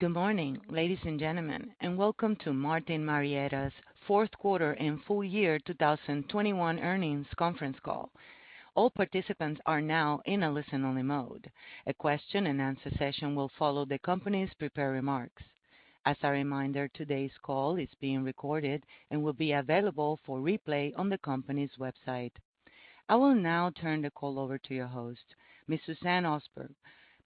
Good morning, ladies and gentlemen, and welcome to Martin Marietta's fourth quarter and full year 2021 earnings conference call. All participants are now in a listen-only mode. A question-and-answer session will follow the company's prepared remarks. As a reminder, today's call is being recorded and will be available for replay on the company's website. I will now turn the call over to your host, Ms. Suzanne Osberg,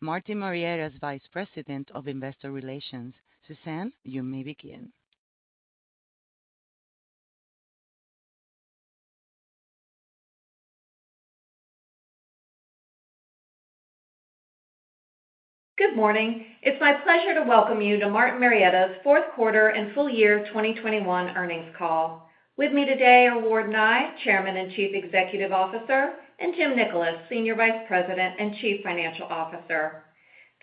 Martin Marietta's Vice President of Investor Relations. Suzanne, you may begin. Good morning. It's my pleasure to welcome you to Martin Marietta's fourth quarter and full year 2021 earnings call. With me today are Ward Nye, Chairman and Chief Executive Officer, and Jim Nickolas, Senior Vice President and Chief Financial Officer.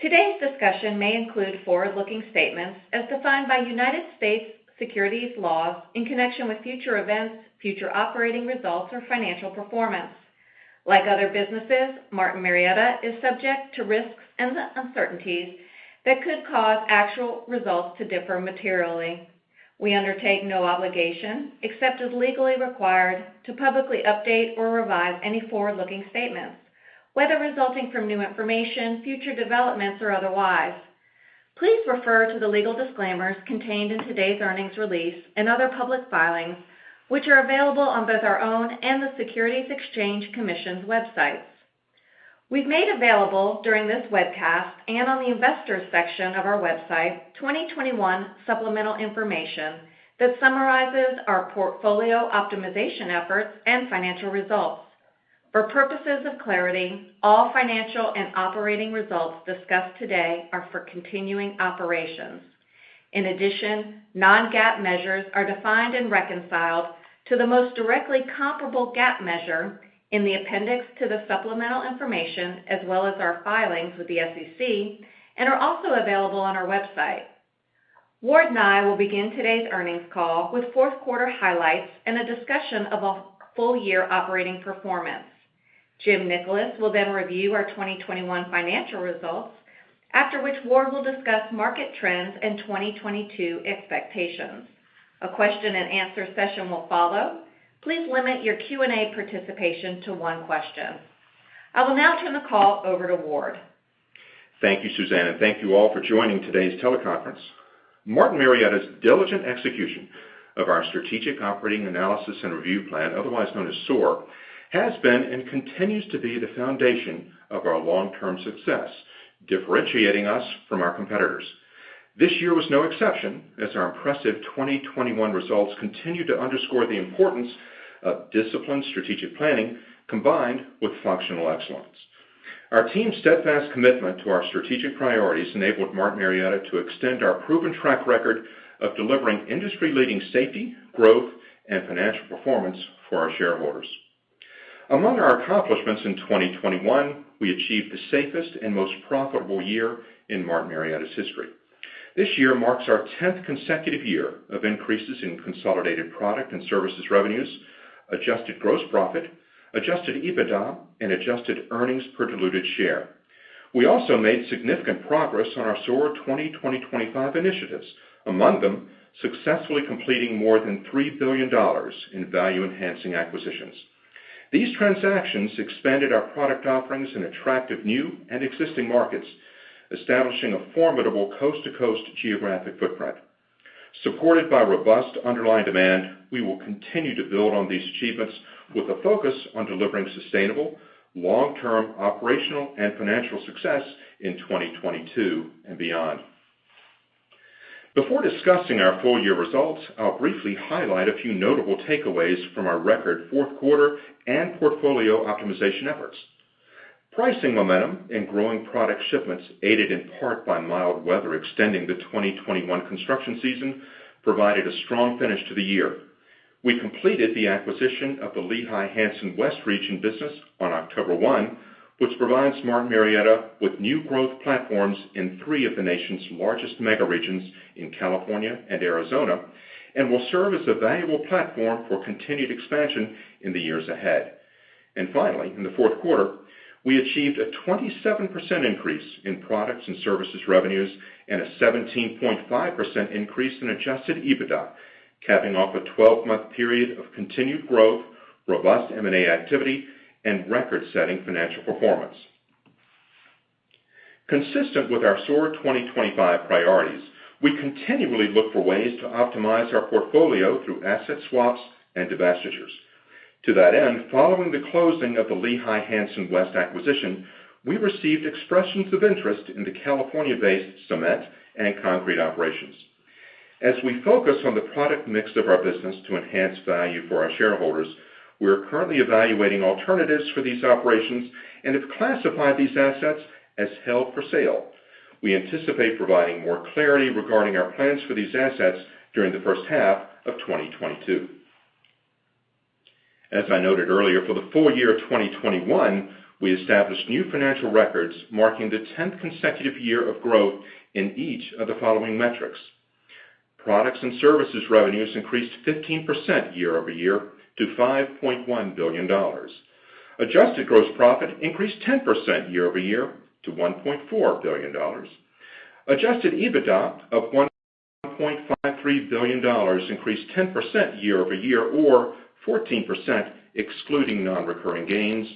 Today's discussion may include forward-looking statements as defined by United States securities laws in connection with future events, future operating results, or financial performance. Like other businesses, Martin Marietta is subject to risks and uncertainties that could cause actual results to differ materially. We undertake no obligation, except as legally required, to publicly update or revise any forward-looking statements, whether resulting from new information, future developments, or otherwise. Please refer to the legal disclaimers contained in today's earnings release and other public filings, which are available on both our own and the Securities and Exchange Commission's websites. We've made available during this webcast and on the Investors section of our website 2021 supplemental information that summarizes our portfolio optimization efforts and financial results. For purposes of clarity, all financial and operating results discussed today are for continuing operations. In addition, non-GAAP measures are defined and reconciled to the most directly comparable GAAP measure in the appendix to the supplemental information, as well as our filings with the SEC, and are also available on our website. Ward and I will begin today's earnings call with fourth quarter highlights and a discussion of a full year operating performance. Jim Nickolas will then review our 2021 financial results. After which, Ward will discuss market trends and 2022 expectations. A question and answer session will follow. Please limit your Q&A participation to one question. I will now turn the call over to Ward. Thank you, Suzanne, and thank you all for joining today's teleconference. Martin Marietta's diligent execution of our strategic operating analysis and review plan, otherwise known as SOAR, has been and continues to be the foundation of our long-term success, differentiating us from our competitors. This year was no exception, as our impressive 2021 results continue to underscore the importance of disciplined strategic planning combined with functional excellence. Our team's steadfast commitment to our strategic priorities enabled Martin Marietta to extend our proven track record of delivering industry-leading safety, growth, and financial performance for our shareholders. Among our accomplishments in 2021, we achieved the safest and most profitable year in Martin Marietta's history. This year marks our tenth consecutive year of increases in consolidated product and services revenues, adjusted gross profit, adjusted EBITDA, and adjusted earnings per diluted share. We also made significant progress on our SOAR 2025 initiatives, among them successfully completing more than $3 billion in value-enhancing acquisitions. These transactions expanded our product offerings in attractive new and existing markets, establishing a formidable coast-to-coast geographic footprint. Supported by robust underlying demand, we will continue to build on these achievements with a focus on delivering sustainable long-term operational and financial success in 2022 and beyond. Before discussing our full year results, I'll briefly highlight a few notable takeaways from our record fourth quarter and portfolio optimization efforts. Pricing momentum and growing product shipments, aided in part by mild weather extending the 2021 construction season, provided a strong finish to the year. We completed the acquisition of the Lehigh Hanson West Region business on October 1, which provides Martin Marietta with new growth platforms in three of the nation's largest mega regions in California and Arizona and will serve as a valuable platform for continued expansion in the years ahead. Finally, in the fourth quarter, we achieved a 27% increase in products and services revenues and a 17.5% increase in adjusted EBITDA, capping off a 12-month period of continued growth, robust M&A activity, and record-setting financial performance. Consistent with our SOAR 2025 priorities, we continually look for ways to optimize our portfolio through asset swaps and divestitures. To that end, following the closing of the Lehigh Hanson West acquisition, we received expressions of interest in the California-based cement and concrete operations. As we focus on the product mix of our business to enhance value for our shareholders, we are currently evaluating alternatives for these operations and have classified these assets as held for sale. We anticipate providing more clarity regarding our plans for these assets during the first half of 2022. As I noted earlier, for the full year of 2021, we established new financial records marking the 10th consecutive year of growth in each of the following metrics. Products and services revenues increased 15% year-over-year to $5.1 billion. Adjusted gross profit increased 10% year-over-year to $1.4 billion. Adjusted EBITDA of $1.53 billion increased 10% year-over-year or 14% excluding non-recurring gains.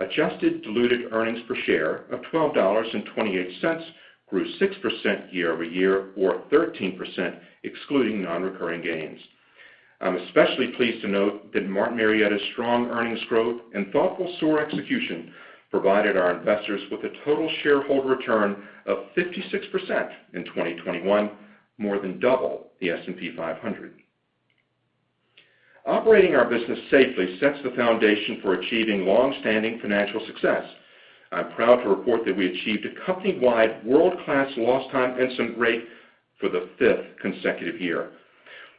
Adjusted diluted earnings per share of $12.28 grew 6% year-over-year or 13% excluding non-recurring gains. I'm especially pleased to note that Martin Marietta's strong earnings growth and thoughtful SOAR execution provided our investors with a total shareholder return of 56% in 2021, more than double the S&P 500. Operating our business safely sets the foundation for achieving long-standing financial success. I'm proud to report that we achieved a company-wide world-class lost time incident rate for the fifth consecutive year.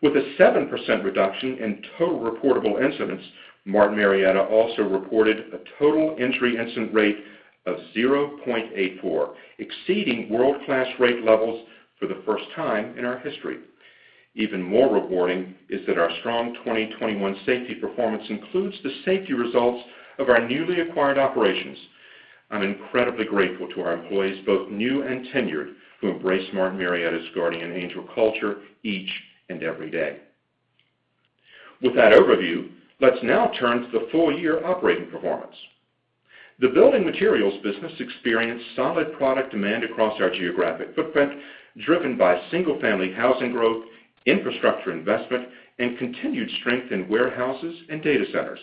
With a 7% reduction in total reportable incidents, Martin Marietta also reported a total recordable incident rate of 0.84, exceeding world-class rate levels for the first time in our history. Even more rewarding is that our strong 2021 safety performance includes the safety results of our newly acquired operations. I'm incredibly grateful to our employees, both new and tenured, who embrace Martin Marietta's Guardian Angel culture each and every day. With that overview, let's now turn to the full year operating performance. The building materials business experienced solid product demand across our geographic footprint, driven by single-family housing growth, infrastructure investment, and continued strength in warehouses and data centers.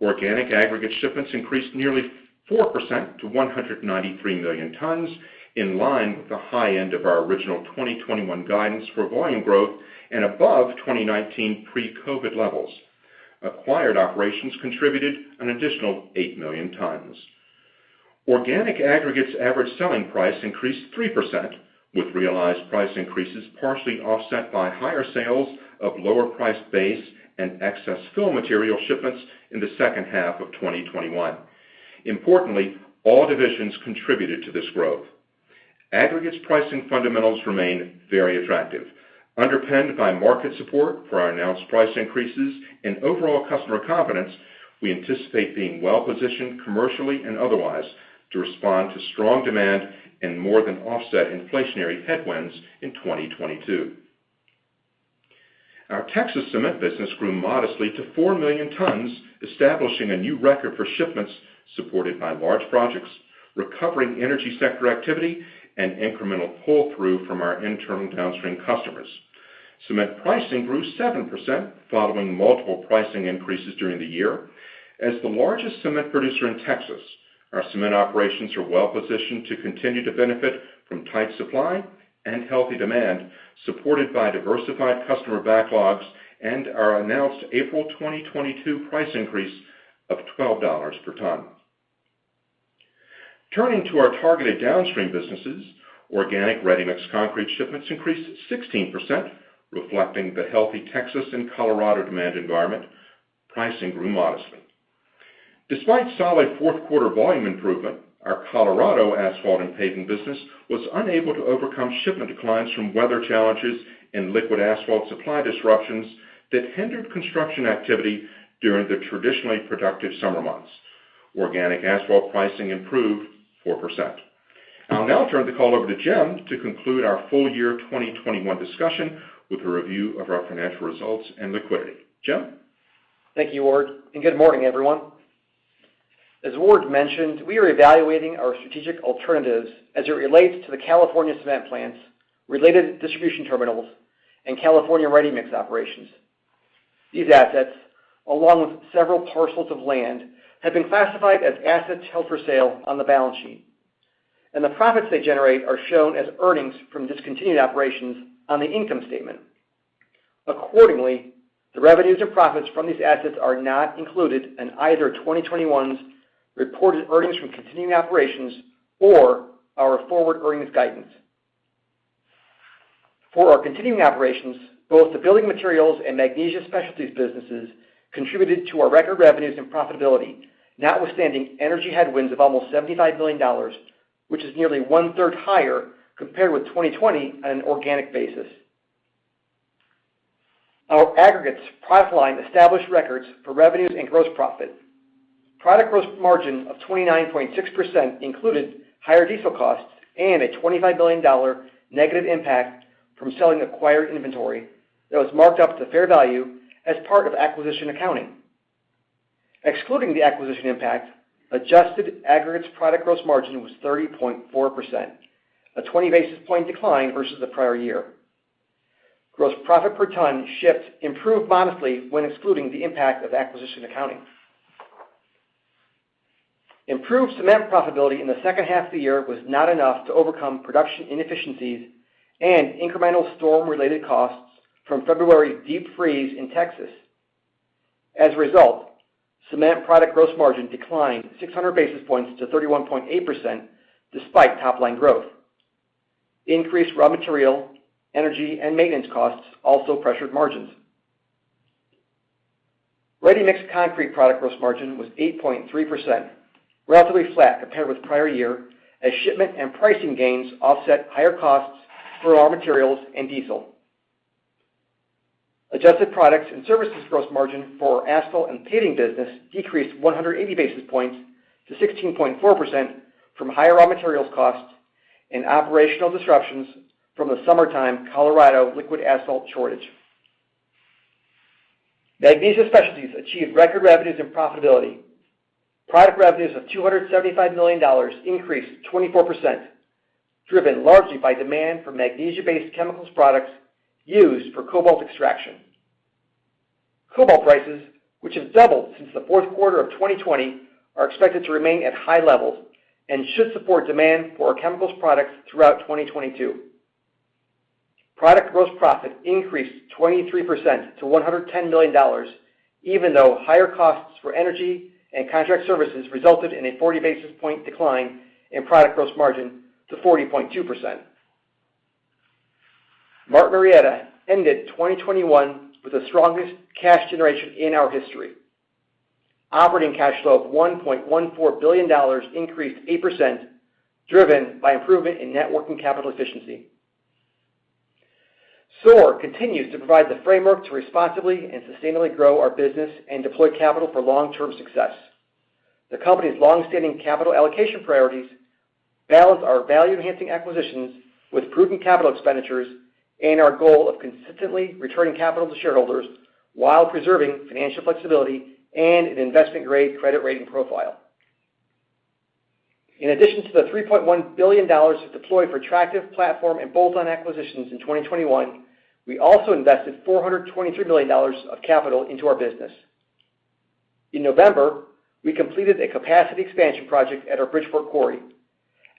Organic aggregate shipments increased nearly 4% to 193 million tons, in line with the high end of our original 2021 guidance for volume growth and above 2019 pre-COVID levels. Acquired operations contributed an additional eight million tons. Organic aggregates average selling price increased 3%, with realized price increases partially offset by higher sales of lower price base and excess fill material shipments in the second half of 2021. Importantly, all divisions contributed to this growth. Aggregates pricing fundamentals remain very attractive. Underpinned by market support for our announced price increases and overall customer confidence, we anticipate being well positioned commercially and otherwise to respond to strong demand and more than offset inflationary headwinds in 2022. Our Texas Cement business grew modestly to four million tons, establishing a new record for shipments supported by large projects, recovering energy sector activity, and incremental pull-through from our internal downstream customers. Cement pricing grew 7%, following multiple pricing increases during the year. As the largest cement producer in Texas, our cement operations are well positioned to continue to benefit from tight supply and healthy demand, supported by diversified customer backlogs and our announced April 2022 price increase of $12 per ton. Turning to our targeted downstream businesses, organic ready-mix concrete shipments increased 16%, reflecting the healthy Texas and Colorado demand environment. Pricing grew modestly. Despite solid fourth quarter volume improvement, our Colorado asphalt and paving business was unable to overcome shipment declines from weather challenges and liquid asphalt supply disruptions that hindered construction activity during the traditionally productive summer months. Organic asphalt pricing improved 4%. I'll now turn the call over to Jim to conclude our full year 2021 discussion with a review of our financial results and liquidity. Jim? Thank you, Ward, and good morning, everyone. As Ward mentioned, we are evaluating our strategic alternatives as it relates to the California cement plants, related distribution terminals, and California ready-mix operations. These assets, along with several parcels of land, have been classified as assets held for sale on the balance sheet, and the profits they generate are shown as earnings from discontinued operations on the income statement. Accordingly, the revenues and profits from these assets are not included in either 2021's reported earnings from continuing operations or our forward earnings guidance. For our continuing operations, both the building materials and Magnesia Specialties businesses contributed to our record revenues and profitability, not withstanding energy headwinds of almost $75 million, which is nearly one-third higher compared with 2020 on an organic basis. Our aggregates product line established records for revenues and gross profit. Product gross margin of 29.6% included higher diesel costs and a $25 million negative impact from selling acquired inventory that was marked up to fair value as part of acquisition accounting. Excluding the acquisition impact, adjusted aggregates product gross margin was 30.4%, a 20 basis point decline versus the prior year. Gross profit per ton shipped improved modestly when excluding the impact of acquisition accounting. Improved cement profitability in the second half of the year was not enough to overcome production inefficiencies and incremental storm-related costs from February's deep freeze in Texas. As a result, cement product gross margin declined 600 basis points to 31.8% despite top line growth. Increased raw material, energy, and maintenance costs also pressured margins. Ready-mix concrete product gross margin was 8.3%, relatively flat compared with prior year as shipment and pricing gains offset higher costs for raw materials and diesel. Adjusted products and services gross margin for our asphalt and paving business decreased 180 basis points to 16.4% from higher raw materials costs and operational disruptions from the summertime Colorado liquid asphalt shortage. Magnesia Specialties achieved record revenues and profitability. Product revenues of $275 million increased 24%, driven largely by demand for magnesia-based chemicals products used for cobalt extraction. Cobalt prices, which have doubled since the fourth quarter of 2020, are expected to remain at high levels and should support demand for our chemicals products throughout 2022. Product gross profit increased 23% to $110 million, even though higher costs for energy and contract services resulted in a 40 basis point decline in product gross margin to 40.2%. Martin Marietta ended 2021 with the strongest cash generation in our history. Operating cash flow of $1.14 billion increased 8%, driven by improvement in net working capital efficiency. SOAR continues to provide the framework to responsibly and sustainably grow our business and deploy capital for long-term success. The company's long-standing capital allocation priorities balance our value-enhancing acquisitions with prudent capital expenditures and our goal of consistently returning capital to shareholders while preserving financial flexibility and an investment-grade credit rating profile. In addition to the $3.1 billion deployed for attractive platform and bolt-on acquisitions in 2021, we also invested $423 million of capital into our business. In November, we completed a capacity expansion project at our Bridgeport Quarry,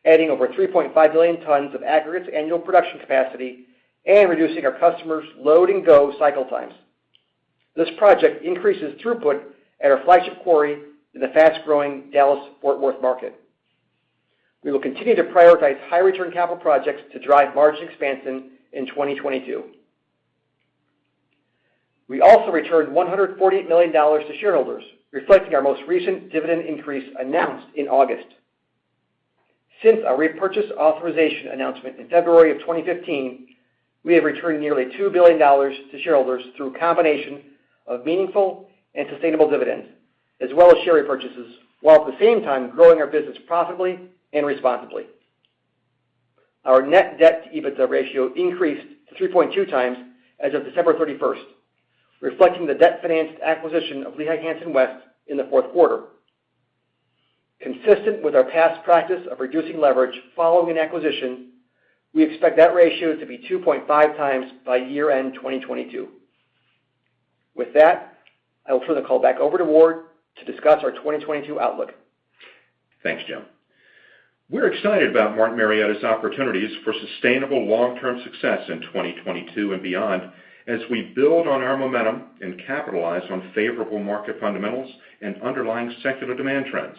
adding over 3.5 million tons of aggregates annual production capacity and reducing our customers' load and go cycle times. This project increases throughput at our flagship quarry in the fast-growing Dallas-Fort Worth market. We will continue to prioritize high return capital projects to drive margin expansion in 2022. We also returned $148 million to shareholders, reflecting our most recent dividend increase announced in August. Since our repurchase authorization announcement in February of 2015, we have returned nearly $2 billion to shareholders through a combination of meaningful and sustainable dividends as well as share repurchases, while at the same time growing our business profitably and responsibly. Our net debt-to-EBITDA ratio increased to 3.2 times as of December 31, reflecting the debt-financed acquisition of Lehigh Hanson West in the fourth quarter. Consistent with our past practice of reducing leverage following an acquisition, we expect that ratio to be 2.5 times by year-end 2022. With that, I will turn the call back over to Ward to discuss our 2022 outlook. Thanks, Jim. We're excited about Martin Marietta's opportunities for sustainable long-term success in 2022 and beyond as we build on our momentum and capitalize on favorable market fundamentals and underlying secular demand trends.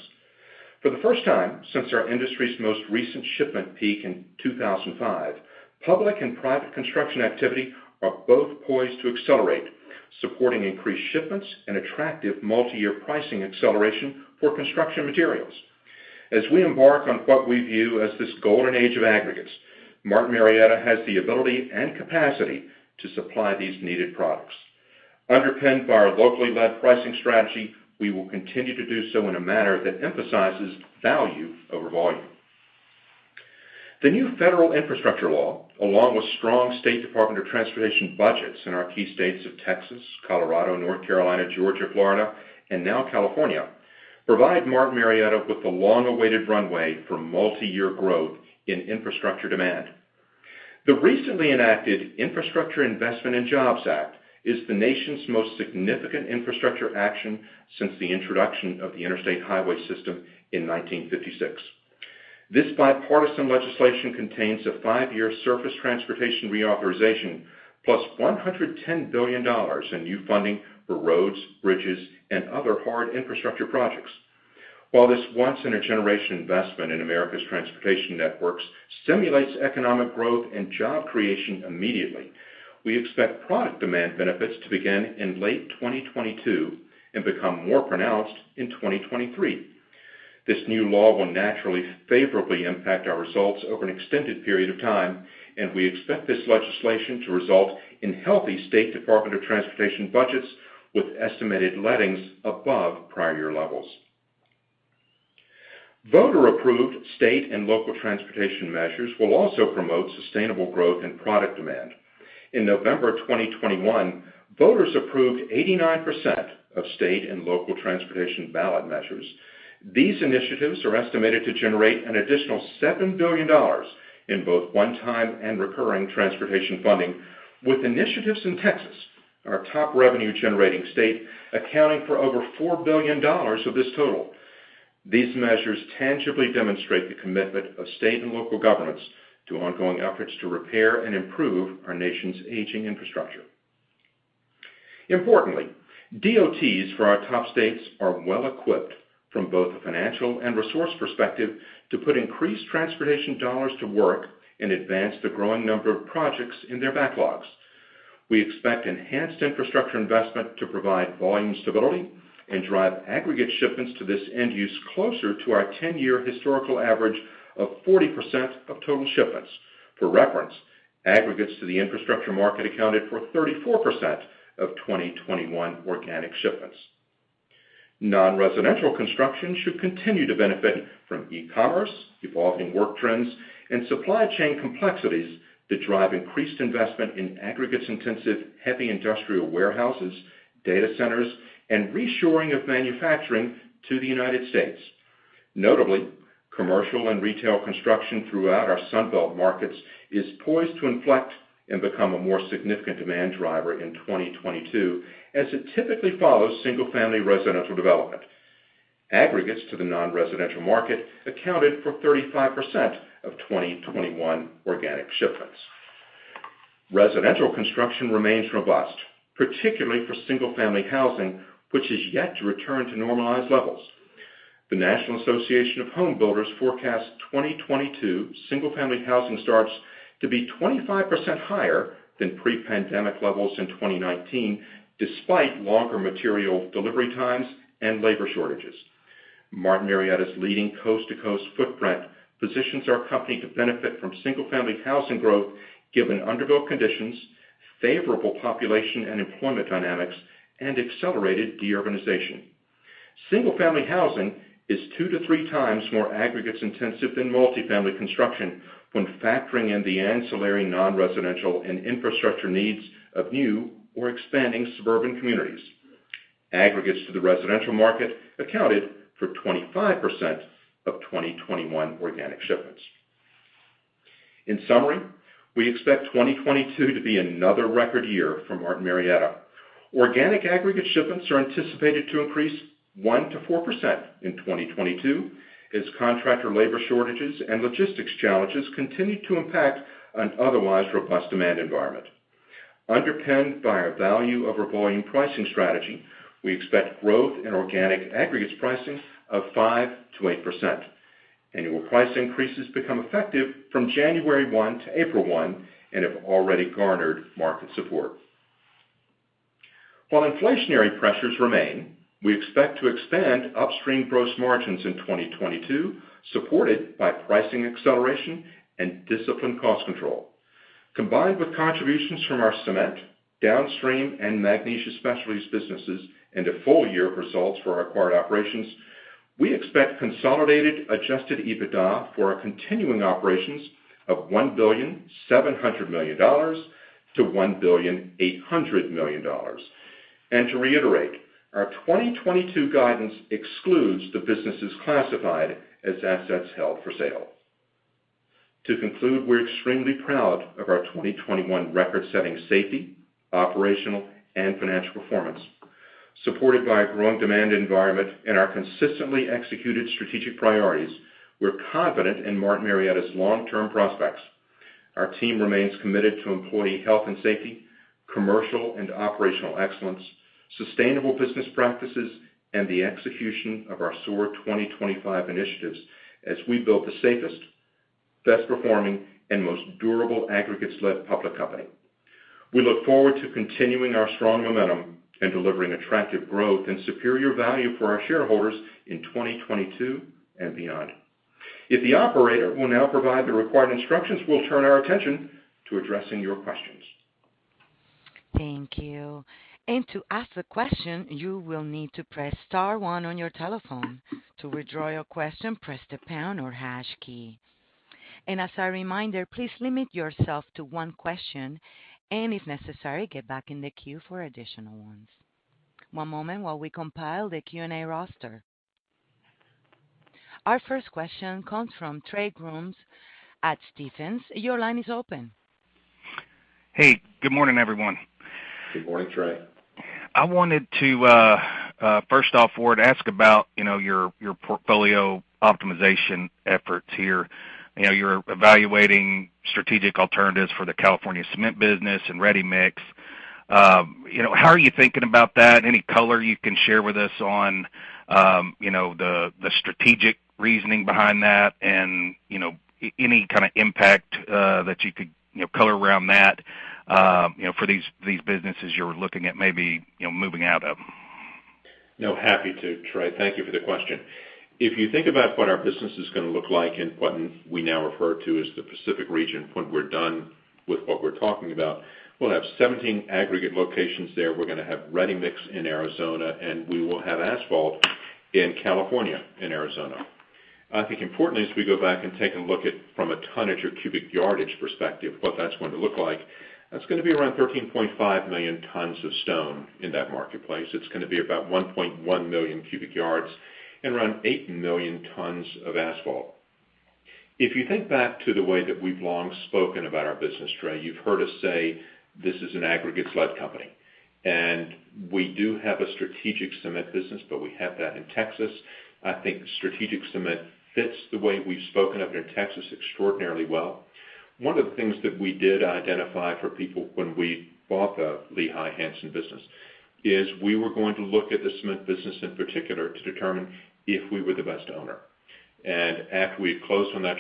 For the first time since our industry's most recent shipment peak in 2005, public and private construction activity are both poised to accelerate, supporting increased shipments and attractive multiyear pricing acceleration for construction materials. As we embark on what we view as this golden age of aggregates, Martin Marietta has the ability and capacity to supply these needed products. Underpinned by our locally led pricing strategy, we will continue to do so in a manner that emphasizes value over volume. The new federal infrastructure law, along with strong State Department of Transportation budgets in our key states of Texas, Colorado, North Carolina, Georgia, Florida, and now California, provide Martin Marietta with the long-awaited runway for multiyear growth in infrastructure demand. The recently enacted Infrastructure Investment and Jobs Act is the nation's most significant infrastructure action since the introduction of the Interstate Highway System in 1956. This bipartisan legislation contains a five-year surface transportation reauthorization plus $110 billion in new funding for roads, bridges, and other hard infrastructure projects. While this once in a generation investment in America's transportation networks stimulates economic growth and job creation immediately, we expect product demand benefits to begin in late 2022 and become more pronounced in 2023. This new law will naturally favorably impact our results over an extended period of time, and we expect this legislation to result in healthy State Department of Transportation budgets with estimated lettings above prior year levels. Voter-approved state and local transportation measures will also promote sustainable growth and product demand. In November of 2021, voters approved 89% of state and local transportation ballot measures. These initiatives are estimated to generate an additional $7 billion in both one-time and recurring transportation funding, with initiatives in Texas, our top revenue-generating state, accounting for over $4 billion of this total. These measures tangibly demonstrate the commitment of state and local governments to ongoing efforts to repair and improve our nation's aging infrastructure. Importantly, DOTs for our top states are well equipped. From both a financial and resource perspective to put increased transportation dollars to work and advance the growing number of projects in their backlogs. We expect enhanced infrastructure investment to provide volume stability and drive aggregate shipments to this end use closer to our 10-year historical average of 40% of total shipments. For reference, aggregates to the infrastructure market accounted for 34% of 2021 organic shipments. Non-residential construction should continue to benefit from e-commerce, evolving work trends and supply chain complexities that drive increased investment in aggregates-intensive, heavy industrial warehouses, data centers and reshoring of manufacturing to the United States. Notably, commercial and retail construction throughout our Sun Belt markets is poised to inflect and become a more significant demand driver in 2022, as it typically follows single-family residential development. Aggregates to the non-residential market accounted for 35% of 2021 organic shipments. Residential construction remains robust, particularly for single family housing, which is yet to return to normalized levels. The National Association of Home Builders forecast 2022 single family housing starts to be 25% higher than pre-pandemic levels in 2019, despite longer material delivery times and labor shortages. Martin Marietta's leading coast-to-coast footprint positions our company to benefit from single family housing growth, given undergirding conditions, favorable population and employment dynamics, and accelerated de-urbanization. Single family housing is two to three times more aggregates intensive than multifamily construction when factoring in the ancillary non-residential and infrastructure needs of new or expanding suburban communities. Aggregates to the residential market accounted for 25% of 2021 organic shipments. In summary, we expect 2022 to be another record year for Martin Marietta. Organic aggregate shipments are anticipated to increase 1%-4% in 2022, as contractor labor shortages and logistics challenges continue to impact an otherwise robust demand environment. Underpinned by our value over volume pricing strategy, we expect growth in organic aggregates pricing of 5%-8%. Annual price increases become effective from January 1 to April 1 and have already garnered market support. While inflationary pressures remain, we expect to expand upstream gross margins in 2022, supported by pricing acceleration and disciplined cost control. Combined with contributions from our cement, downstream and magnesium specialties businesses, and a full year of results for our acquired operations, we expect consolidated adjusted EBITDA for our continuing operations of $1.7 billion-$1.8 billion. To reiterate, our 2022 guidance excludes the businesses classified as assets held for sale. To conclude, we're extremely proud of our 2021 record-setting safety, operational, and financial performance. Supported by a growing demand environment and our consistently executed strategic priorities, we're confident in Martin Marietta's long-term prospects. Our team remains committed to employee health and safety, commercial and operational excellence, sustainable business practices, and the execution of our SOAR 2025 initiatives as we build the safest, best-performing, and most durable aggregates-led public company. We look forward to continuing our strong momentum and delivering attractive growth and superior value for our shareholders in 2022 and beyond. If the operator will now provide the required instructions, we'll turn our attention to addressing your questions. Thank you. To ask the question, you will need to press star one on your telephone. To withdraw your question, press the pound or hash key. As a reminder, please limit yourself to one question and if necessary, get back in the queue for additional ones. One moment while we compile the Q&A roster. Our first question comes from Trey Grooms at Stephens. Your line is open. Hey, good morning, everyone. Good morning, Trey. I wanted to first off, Ward, ask about your portfolio optimization efforts here. You know, you're evaluating strategic alternatives for the California cement business and ready-mix. How are you thinking about that? Any color you can share with us on the strategic reasoning behind that and any kind of impact that you could color around that for these businesses you're looking at maybe moving out of. No, happy to, Trey. Thank you for the question. If you think about what our business is gonna look like in what we now refer to as the Pacific region when we're done with what we're talking about, we'll have 17 aggregate locations there. We're gonna have ready-mix in Arizona, and we will have asphalt in California and Arizona. I think importantly, as we go back and take a look at from a tonnage or cubic yardage perspective, what that's going to look like, that's gonna be around 13.5 million tons of stone in that marketplace. It's gonna be about 1.1 million cubic yards and around 8 million tons of asphalt. If you think back to the way that we've long spoken about our business, Trey, you've heard us say this is an aggregates-led company, and we do have a strategic cement business, but we have that in Texas. I think strategic cement fits the way we've spoken of it in Texas extraordinarily well. One of the things that we did identify for people when we bought the Lehigh Hanson business is we were going to look at the cement business in particular to determine if we were the best owner. After we closed on that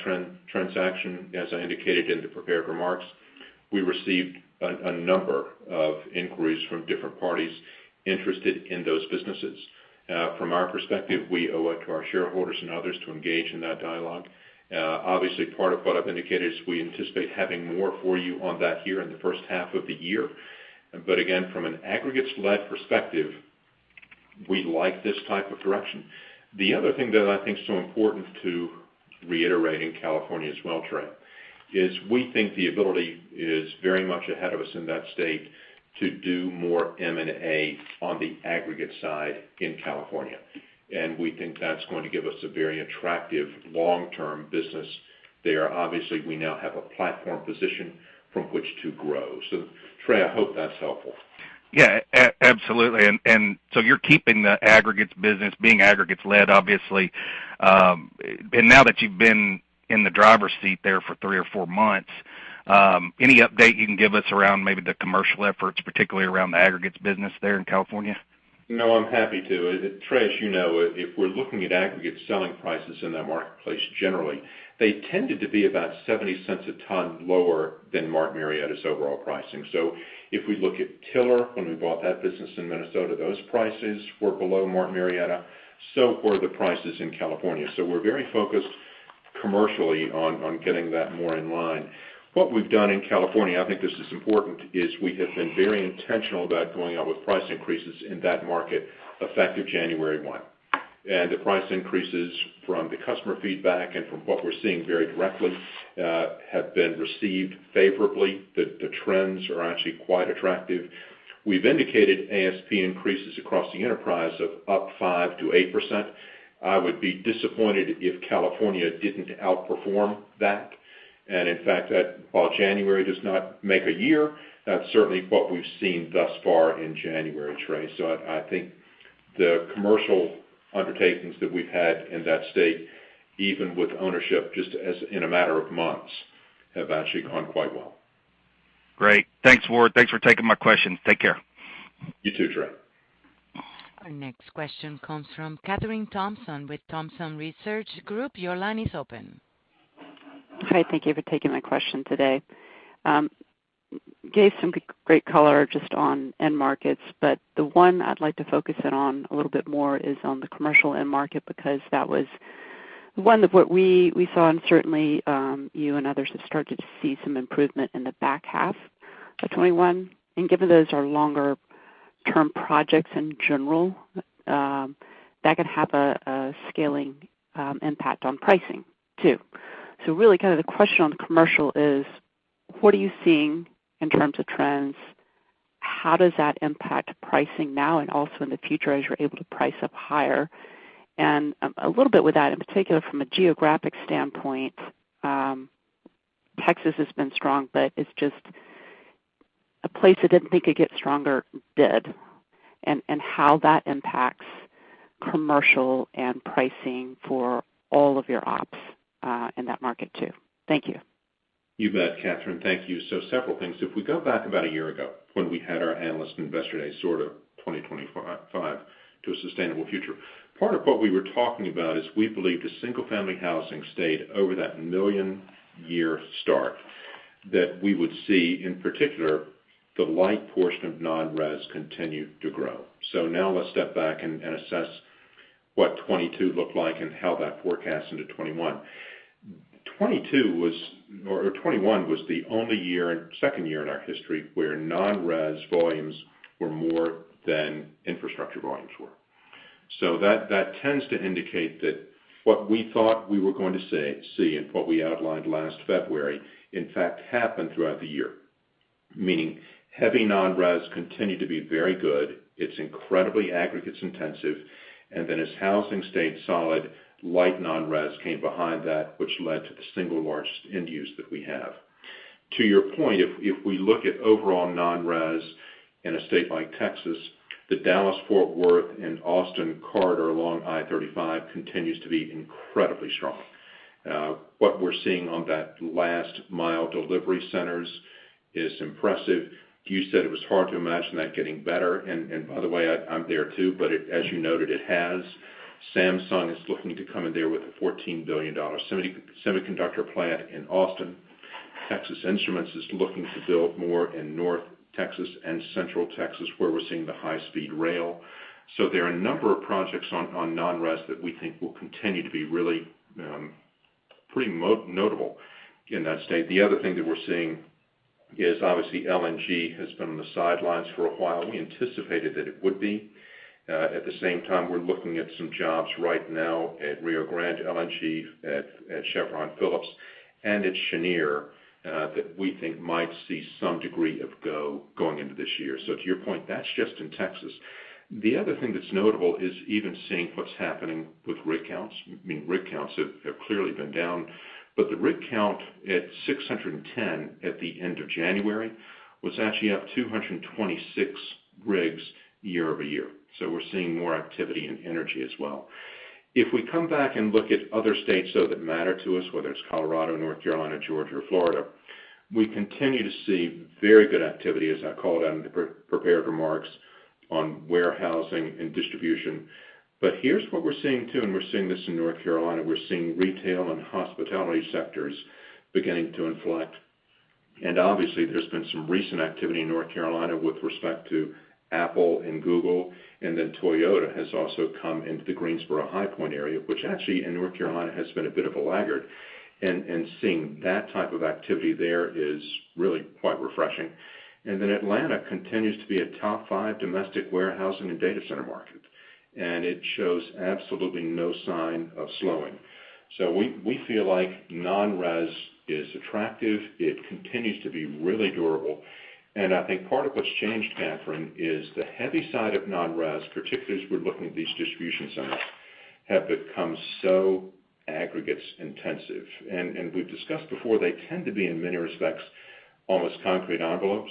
transaction, as I indicated in the prepared remarks, we received a number of inquiries from different parties interested in those businesses. From our perspective, we owe it to our shareholders and others to engage in that dialogue. Obviously, part of what I've indicated is we anticipate having more for you on that here in the first half of the year. Again, from an aggregates-led perspective, we like this type of direction. The other thing that I think is so important to reiterate in California as well, Trey, is we think the ability is very much ahead of us in that state to do more M&A on the aggregate side in California. We think that's going to give us a very attractive long-term business there. Obviously, we now have a platform position from which to grow. Trey, I hope that's helpful. Yeah, absolutely. You're keeping the aggregates business being aggregates-led, obviously. Now that you've been in the driver's seat there for three or four months, any update you can give us around maybe the commercial efforts, particularly around the aggregates business there in California? No, I'm happy to. Trey, as you know, if we're looking at aggregate selling prices in that marketplace, generally, they tended to be about $0.70 a ton lower than Martin Marietta's overall pricing. If we look at Tiller, when we bought that business in Minnesota, those prices were below Martin Marietta, so were the prices in California. We're very focused commercially on getting that more in line. What we've done in California, I think this is important, is we have been very intentional about going out with price increases in that market effective January 1. The price increases from the customer feedback and from what we're seeing very directly have been received favorably. The trends are actually quite attractive. We've indicated ASP increases across the enterprise of up 5%-8%. I would be disappointed if California didn't outperform that. In fact, while January does not make a year, that's certainly what we've seen thus far in January, Trey. I think the commercial undertakings that we've had in that state, even with ownership, just as in a matter of months, have actually gone quite well. Great. Thanks, Ward. Thanks for taking my questions. Take care. You too, Trey. Our next question comes from Kathryn Thompson with Thompson Research Group. Your line is open. Hi, thank you for taking my question today. You gave some great color just on end markets, but the one I'd like to focus in on a little bit more is on the commercial end market because that was one of what we saw and certainly you and others have started to see some improvement in the back half of 2021. Given those are longer-term projects in general, that could have a scaling impact on pricing too. Really kind of the question on commercial is what are you seeing in terms of trends. How does that impact pricing now and also in the future as you're able to price up higher? A little bit with that, in particular from a geographic standpoint, Texas has been strong, but it's just a place I didn't think it'd get stronger, did, and how that impacts commercial and pricing for all of your ops in that market too. Thank you. You bet, Kathryn. Thank you. Several things. If we go back about a year ago when we had our Analyst and Investor Day, sort of 2025 to a sustainable future, part of what we were talking about is we believe the single-family housing stayed over that million-year start that we would see, in particular, the light portion of non-res continue to grow. Now let's step back and assess what 2022 looked like and how that forecasts into 2023. 2021 was the second year in our history where non-res volumes were more than infrastructure volumes. That tends to indicate that what we thought we were going to see, and what we outlined last February, in fact happened throughout the year, meaning heavy non-res continued to be very good. It's incredibly aggregates intensive. Housing stayed solid, light non-res came behind that, which led to the single largest end use that we have. To your point, if we look at overall non-res in a state like Texas, the Dallas-Fort Worth and Austin corridor along I-35 continues to be incredibly strong. What we're seeing on that last mile delivery centers is impressive. You said it was hard to imagine that getting better. And by the way, I'm there too, but as you noted, it has. Samsung is looking to come in there with a $14 billion semiconductor plant in Austin. Texas Instruments is looking to build more in North Texas and Central Texas, where we're seeing the high-speed rail. There are a number of projects on non-res that we think will continue to be really pretty notable in that state. The other thing that we're seeing is, obviously, LNG has been on the sidelines for a while. We anticipated that it would be. At the same time, we're looking at some jobs right now at Rio Grande LNG, at Chevron Phillips and at Cheniere, that we think might see some degree of going into this year. To your point, that's just in Texas. The other thing that's notable is even seeing what's happening with rig counts. I mean, rig counts have clearly been down, but the rig count at 610 at the end of January was actually up 226 rigs year-over-year. We're seeing more activity in energy as well. If we come back and look at other states, though, that matter to us, whether it's Colorado, North Carolina, Georgia or Florida, we continue to see very good activity, as I called out in the pre-prepared remarks on warehousing and distribution. Here's what we're seeing too, and we're seeing this in North Carolina. We're seeing retail and hospitality sectors beginning to inflect. Obviously, there's been some recent activity in North Carolina with respect to Apple and Google, and then Toyota has also come into the Greensboro-High Point area, which actually in North Carolina has been a bit of a laggard. Seeing that type of activity there is really quite refreshing. Then Atlanta continues to be a top five domestic warehousing and data center market, and it shows absolutely no sign of slowing. We feel like non-res is attractive. It continues to be really durable. I think part of what's changed, Kathryn, is the heavy side of non-res, particularly as we're looking at these distribution centers, have become so aggregates intensive. We've discussed before, they tend to be in many respects, almost concrete envelopes.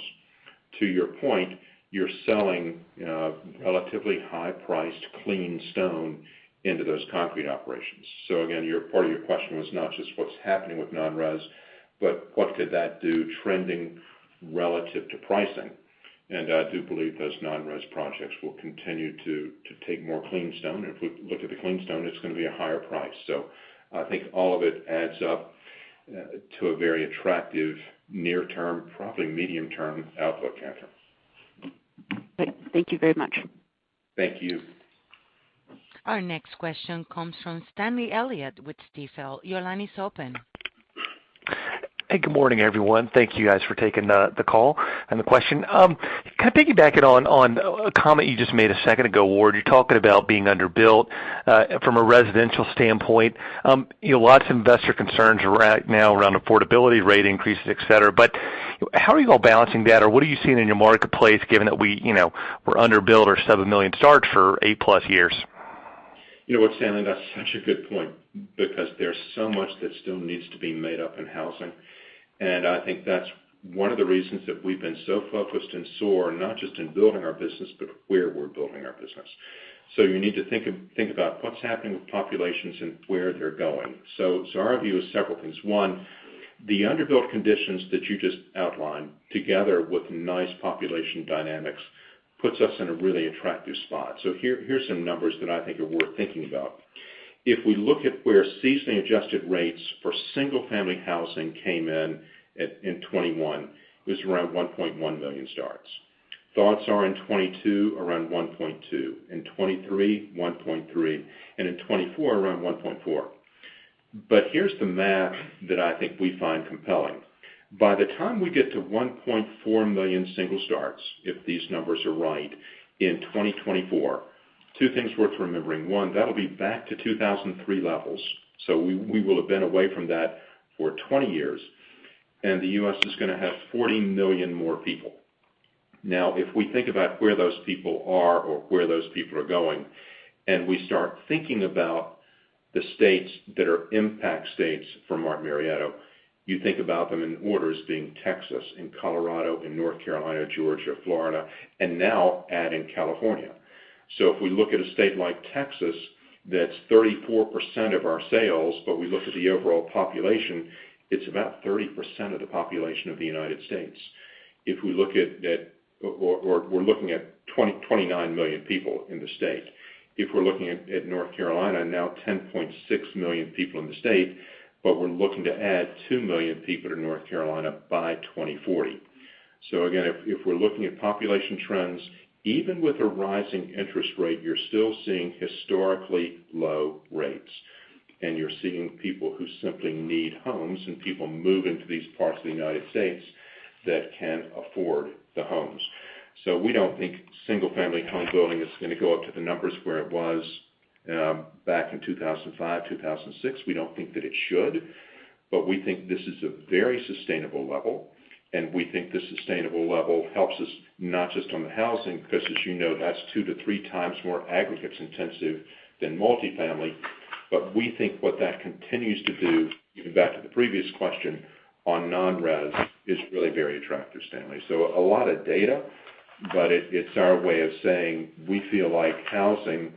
To your point, you're selling relatively high priced clean stone into those concrete operations. Again, your part of your question was not just what's happening with non-res, but what could that do trending relative to pricing. I do believe those non-res projects will continue to take more clean stone. If we look at the clean stone, it's gonna be a higher price. I think all of it adds up to a very attractive near-term, probably medium-term outlook, Kathryn. Great. Thank you very much. Thank you. Our next question comes from Stanley Elliott with Stifel. Your line is open. Hey, good morning, everyone. Thank you guys for taking the call and the question. Can I piggyback it on a comment you just made a second ago, Ward? You're talking about being underbuilt from a residential standpoint. You know, lots of investor concerns right now around affordability rate increases, et cetera, but how are you all balancing that? What are you seeing in your marketplace given that we, you know, we're underbuilt by seven million starts for eight plus years? You know what, Stanley? That's such a good point because there's so much that still needs to be made up in housing. I think that's one of the reasons that we've been so focused in SOAR, not just in building our business, but where we're building our business. You need to think about what's happening with populations and where they're going. Our view is several things. One, the underbuilt conditions that you just outlined together with nice population dynamics puts us in a really attractive spot. Here are some numbers that I think are worth thinking about. If we look at where seasonally adjusted rates for single-family housing came in at in 2021, it was around 1.1 million starts. Thoughts are in 2022 around 1.2, in 2023, 1.3, and in 2024 around 1.4. Here's the math that I think we find compelling. By the time we get to 1.4 million single starts, if these numbers are right in 2024, two things worth remembering. One, that'll be back to 2003 levels, so we will have been away from that for 20 years. The U.S. is gonna have 40 million more people. Now, if we think about where those people are or where those people are going, and we start thinking about the states that are impact states for Martin Marietta, you think about them in orders being Texas and Colorado and North Carolina, Georgia, Florida, and now adding California. If we look at a state like Texas, that's 34% of our sales, but we look at the overall population, it's about 30% of the population of the United States. If we look at that or we're looking at 29 million people in the state. If we're looking at North Carolina now 10.6 million people in the state, but we're looking to add two million people to North Carolina by 2040. Again, if we're looking at population trends, even with a rising interest rate, you're still seeing historically low rates. You're seeing people who simply need homes and people move into these parts of the United States that can afford the homes. We don't think single family home building is gonna go up to the numbers where it was back in 2005, 2006. We don't think that it should, but we think this is a very sustainable level, and we think the sustainable level helps us not just on the housing, 'cause as you know, that's two to three times more aggregates intensive than multifamily. We think what that continues to do, even back to the previous question on non-res, is really very attractive, Stanley. A lot of data, but it's our way of saying we feel like housing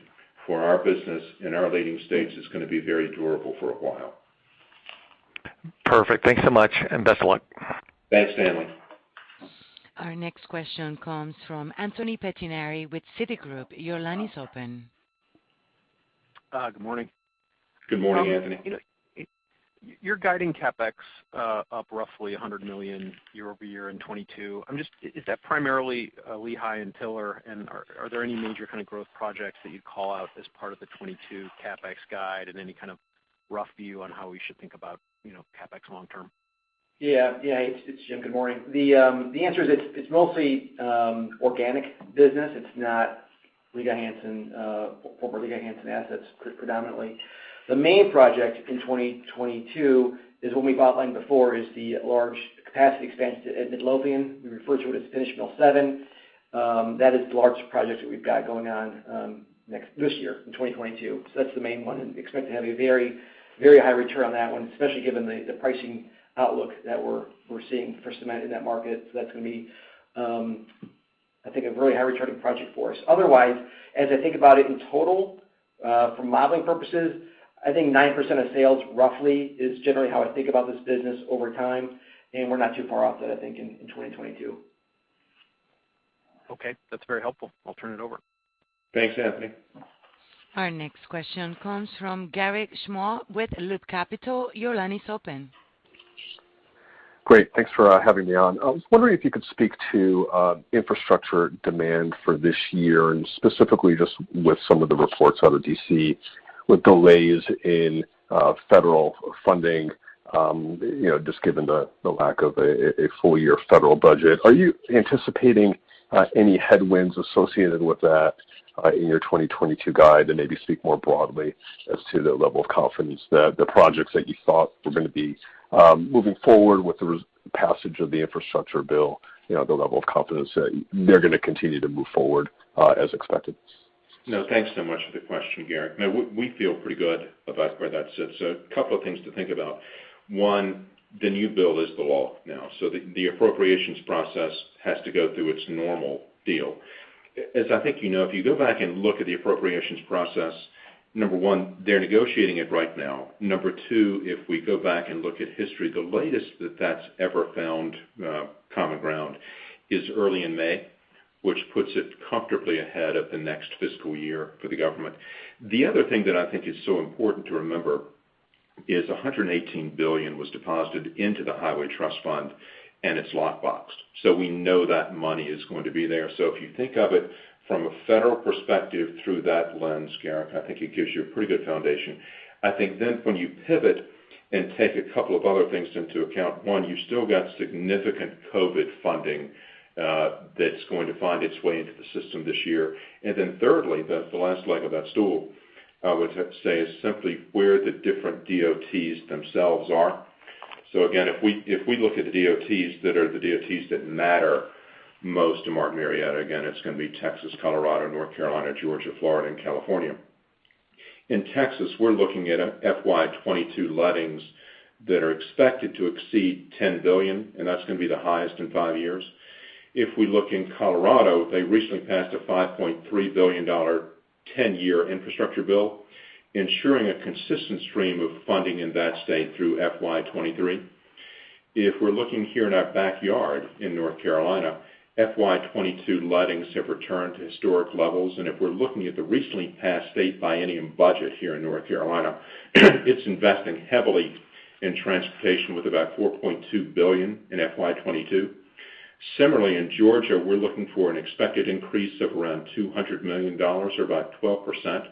for our business in our leading states is gonna be very durable for a while. Perfect. Thanks so much, and best of luck. Thanks, Stanley. Our next question comes from Anthony Pettinari with Citigroup. Your line is open. Good morning. Good morning, Anthony. You're guiding CapEx up roughly $100 million year-over-year in 2022. Is that primarily Lehigh and Tiller? Are there any major kinda growth projects that you'd call out as part of the 2022 CapEx guide? Any kind of rough view on how we should think about, you know, CapEx long term? Yeah. It's Jim. Good morning. The answer is it's mostly organic business. It's not Lehigh Hanson, former Lehigh Hanson assets predominantly. The main project in 2022 is one we've outlined before, the large capacity expansion at Midlothian. We refer to it as Finish Mill 7. That is the largest project that we've got going on this year in 2022. That's the main one, and we expect to have a very high return on that one, especially given the pricing outlook that we're seeing for cement in that market. That's gonna be, I think a very high returning project for us. Otherwise, as I think about it in total For modeling purposes, I think 9% of sales roughly is generally how I think about this business over time, and we're not too far off that, I think, in 2022. Okay, that's very helpful. I'll turn it over. Thanks, Anthony. Our next question comes from Garik Shmois with Loop Capital. Your line is open. Great. Thanks for having me on. I was wondering if you could speak to infrastructure demand for this year, and specifically just with some of the reports out of D.C. with delays in federal funding, you know, just given the lack of a full year federal budget. Are you anticipating any headwinds associated with that in your 2022 guide? And maybe speak more broadly as to the level of confidence that the projects that you thought were gonna be moving forward with the passage of the infrastructure bill, you know, the level of confidence that they're gonna continue to move forward as expected. No, thanks so much for the question, Garrett. No, we feel pretty good about where that sits. A couple of things to think about. One, the new bill is the law now, so the appropriations process has to go through its normal deal. As I think you know, if you go back and look at the appropriations process, number one, they're negotiating it right now. Number two, if we go back and look at history, the latest that that's ever found common ground is early in May, which puts it comfortably ahead of the next fiscal year for the government. The other thing that I think is so important to remember is $118 billion was deposited into the highway trust fund, and it's lock boxed. We know that money is going to be there. If you think of it from a federal perspective through that lens, Garrett, I think it gives you a pretty good foundation. I think then when you pivot and take a couple of other things into account, one, you still got significant COVID funding, that's going to find its way into the system this year. Then thirdly, the last leg of that stool, I would say, is simply where the different DOTs themselves are. Again, if we look at the DOTs that are the DOTs that matter most to Martin Marietta, again, it's gonna be Texas, Colorado, North Carolina, Georgia, Florida, and California. In Texas, we're looking at FY 2022 lettings that are expected to exceed $10 billion, and that's gonna be the highest in five years. If we look in Colorado, they recently passed a $5.3 billion 10-year infrastructure bill, ensuring a consistent stream of funding in that state through FY 2023. If we're looking here in our backyard in North Carolina, FY 2022 lettings have returned to historic levels. If we're looking at the recently passed state biennium budget here in North Carolina, it's investing heavily in transportation with about $4.2 billion in FY 2022. Similarly, in Georgia, we're looking for an expected increase of around $200 million or about 12%.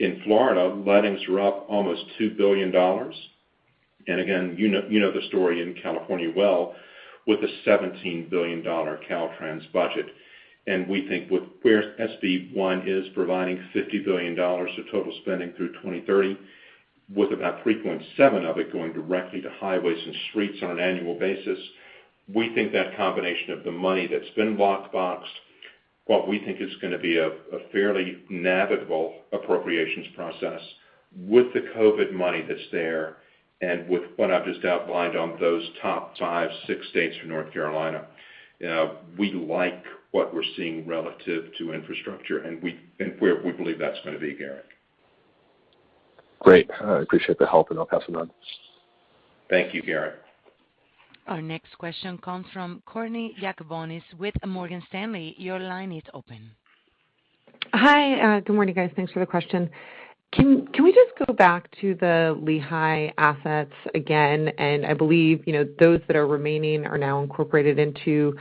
In Florida, lettings are up almost $2 billion. Again, you know, you know the story in California well with a $17 billion Caltrans budget. We think with where SB 1 is providing $50 billion of total spending through 2030, with about $3.7 billion of it going directly to highways and streets on an annual basis, we think that combination of the money that's been lock-boxed, what we think is gonna be a fairly navigable appropriations process with the COVID money that's there, and with what I've just outlined on those top five, six states for North Carolina, we like what we're seeing relative to infrastructure, and where we believe that's gonna be, Garrett. Great. I appreciate the help, and I'll pass it on. Thank you, Garik. Our next question comes from Angel Castillo with Morgan Stanley. Your line is open. Hi. Good morning, guys. Thanks for the question. Can we just go back to the Lehigh assets again? I believe, you know, those that are remaining are now incorporated into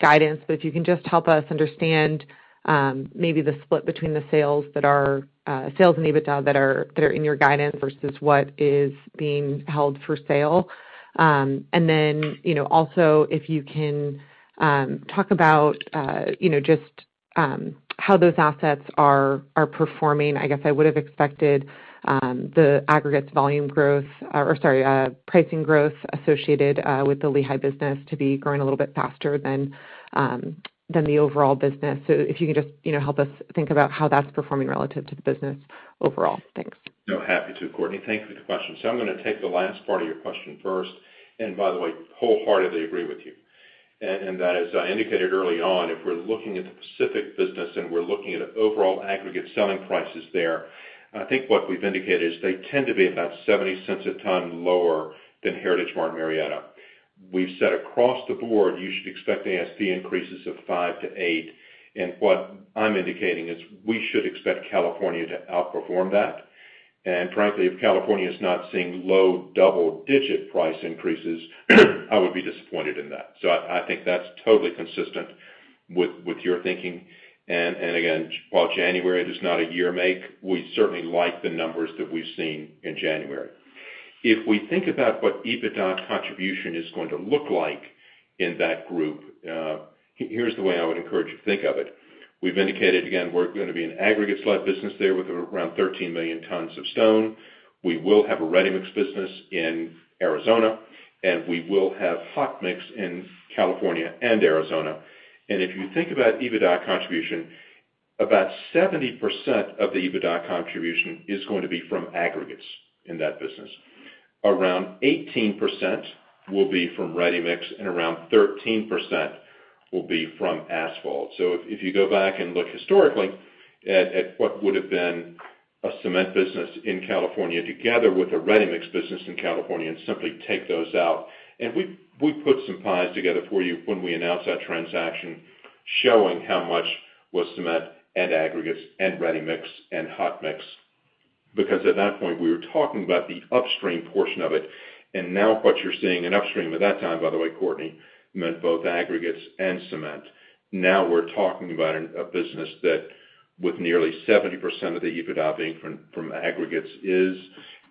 guidance. If you can just help us understand maybe the split between the sales and EBITDA that are in your guidance versus what is being held for sale. And then, you know, also if you can talk about, you know, just how those assets are performing. I guess I would have expected the aggregates volume growth, sorry, pricing growth associated with the Lehigh business to be growing a little bit faster than the overall business. If you can just, you know, help us think about how that's performing relative to the business overall. Thanks. No, happy to, Courtney. Thank you for the question. I'm gonna take the last part of your question first, and by the way, wholeheartedly agree with you. That, as I indicated early on, if we're looking at the Pacific business and we're looking at overall aggregate selling prices there, I think what we've indicated is they tend to be about $0.70/ton lower than Heritage Martin Marietta. We've said across the board, you should expect ASP increases of 5%-8%. What I'm indicating is we should expect California to outperform that. Frankly, if California is not seeing low double-digit price increases, I would be disappointed in that. I think that's totally consistent with your thinking. Again, while January does not a year make, we certainly like the numbers that we've seen in January. If we think about what EBITDA contribution is going to look like in that group, here's the way I would encourage you to think of it. We've indicated, again, we're gonna be an aggregates-led business there with around 13 million tons of stone. We will have a ready-mix business in Arizona, and we will have hot mix in California and Arizona. If you think about EBITDA contribution, about 70% of the EBITDA contribution is going to be from aggregates in that business. Around 18% will be from ready-mix and around 13% will be from asphalt. If you go back and look historically at what would have been a cement business in California together with a ready-mix business in California and simply take those out. We put some pies together for you when we announced that transaction showing how much was cement and aggregates and ready-mix and hot mix because at that point, we were talking about the upstream portion of it. Now what you're seeing in upstream at that time, by the way, Angel Castillo, meant both aggregates and cement. Now we're talking about a business that with nearly 70% of the EBITDA being from aggregates is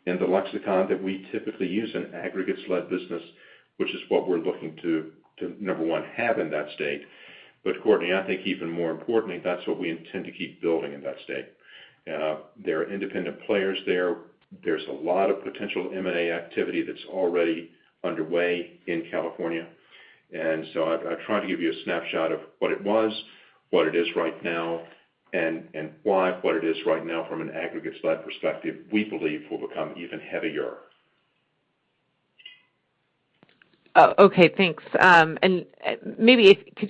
in the lexicon that we typically use an aggregates-led business, which is what we're looking to, number one, have in that state. Angel Castillo, I think even more importantly, that's what we intend to keep building in that state. There are independent players there. There's a lot of potential M&A activity that's already underway in California. I tried to give you a snapshot of what it was, what it is right now, and why what it is right now from an aggregates-led perspective, we believe will become even heavier. Okay, thanks.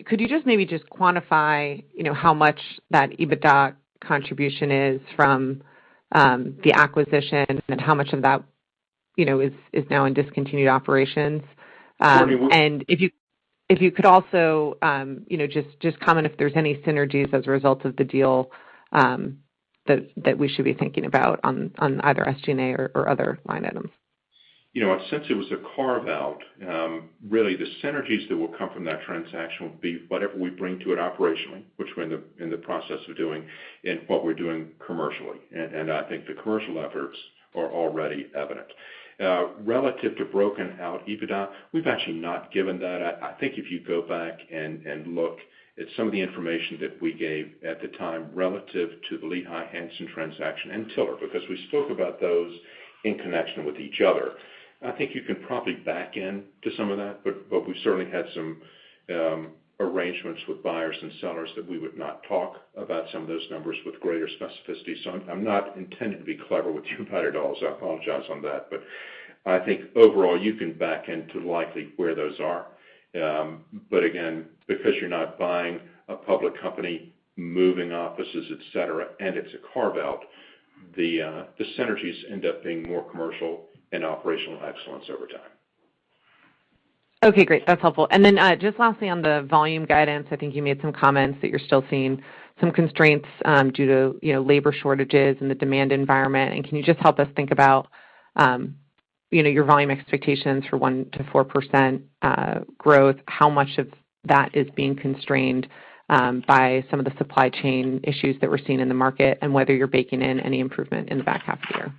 Could you just quantify, you know, how much that EBITDA contribution is from the acquisition and how much of that, you know, is now in discontinued operations? Courtney, we're. If you could also, you know, just comment if there's any synergies as a result of the deal, that we should be thinking about on either SG&A or other line items. You know, since it was a carve-out, really the synergies that will come from that transaction will be whatever we bring to it operationally, which we're in the process of doing, and what we're doing commercially. I think the commercial efforts are already evident. Relative to broken out EBITDA, we've actually not given that. I think if you go back and look at some of the information that we gave at the time relative to the Lehigh Hanson transaction and Tiller, because we spoke about those in connection with each other, I think you can probably back into some of that. We certainly had some arrangements with buyers and sellers that we would not talk about some of those numbers with greater specificity. I'm not intending to be clever with you, but I'd also apologize on that. I think overall, you can back into likely where those are. Again, because you're not buying a public company, moving offices, et cetera, and it's a carve-out, the synergies end up being more commercial and operational excellence over time. Okay, great. That's helpful. Just lastly, on the volume guidance, I think you made some comments that you're still seeing some constraints, due to, you know, labor shortages and the demand environment. Can you just help us think about, you know, your volume expectations for 1%-4% growth, how much of that is being constrained, by some of the supply chain issues that we're seeing in the market, and whether you're baking in any improvement in the back half of the year?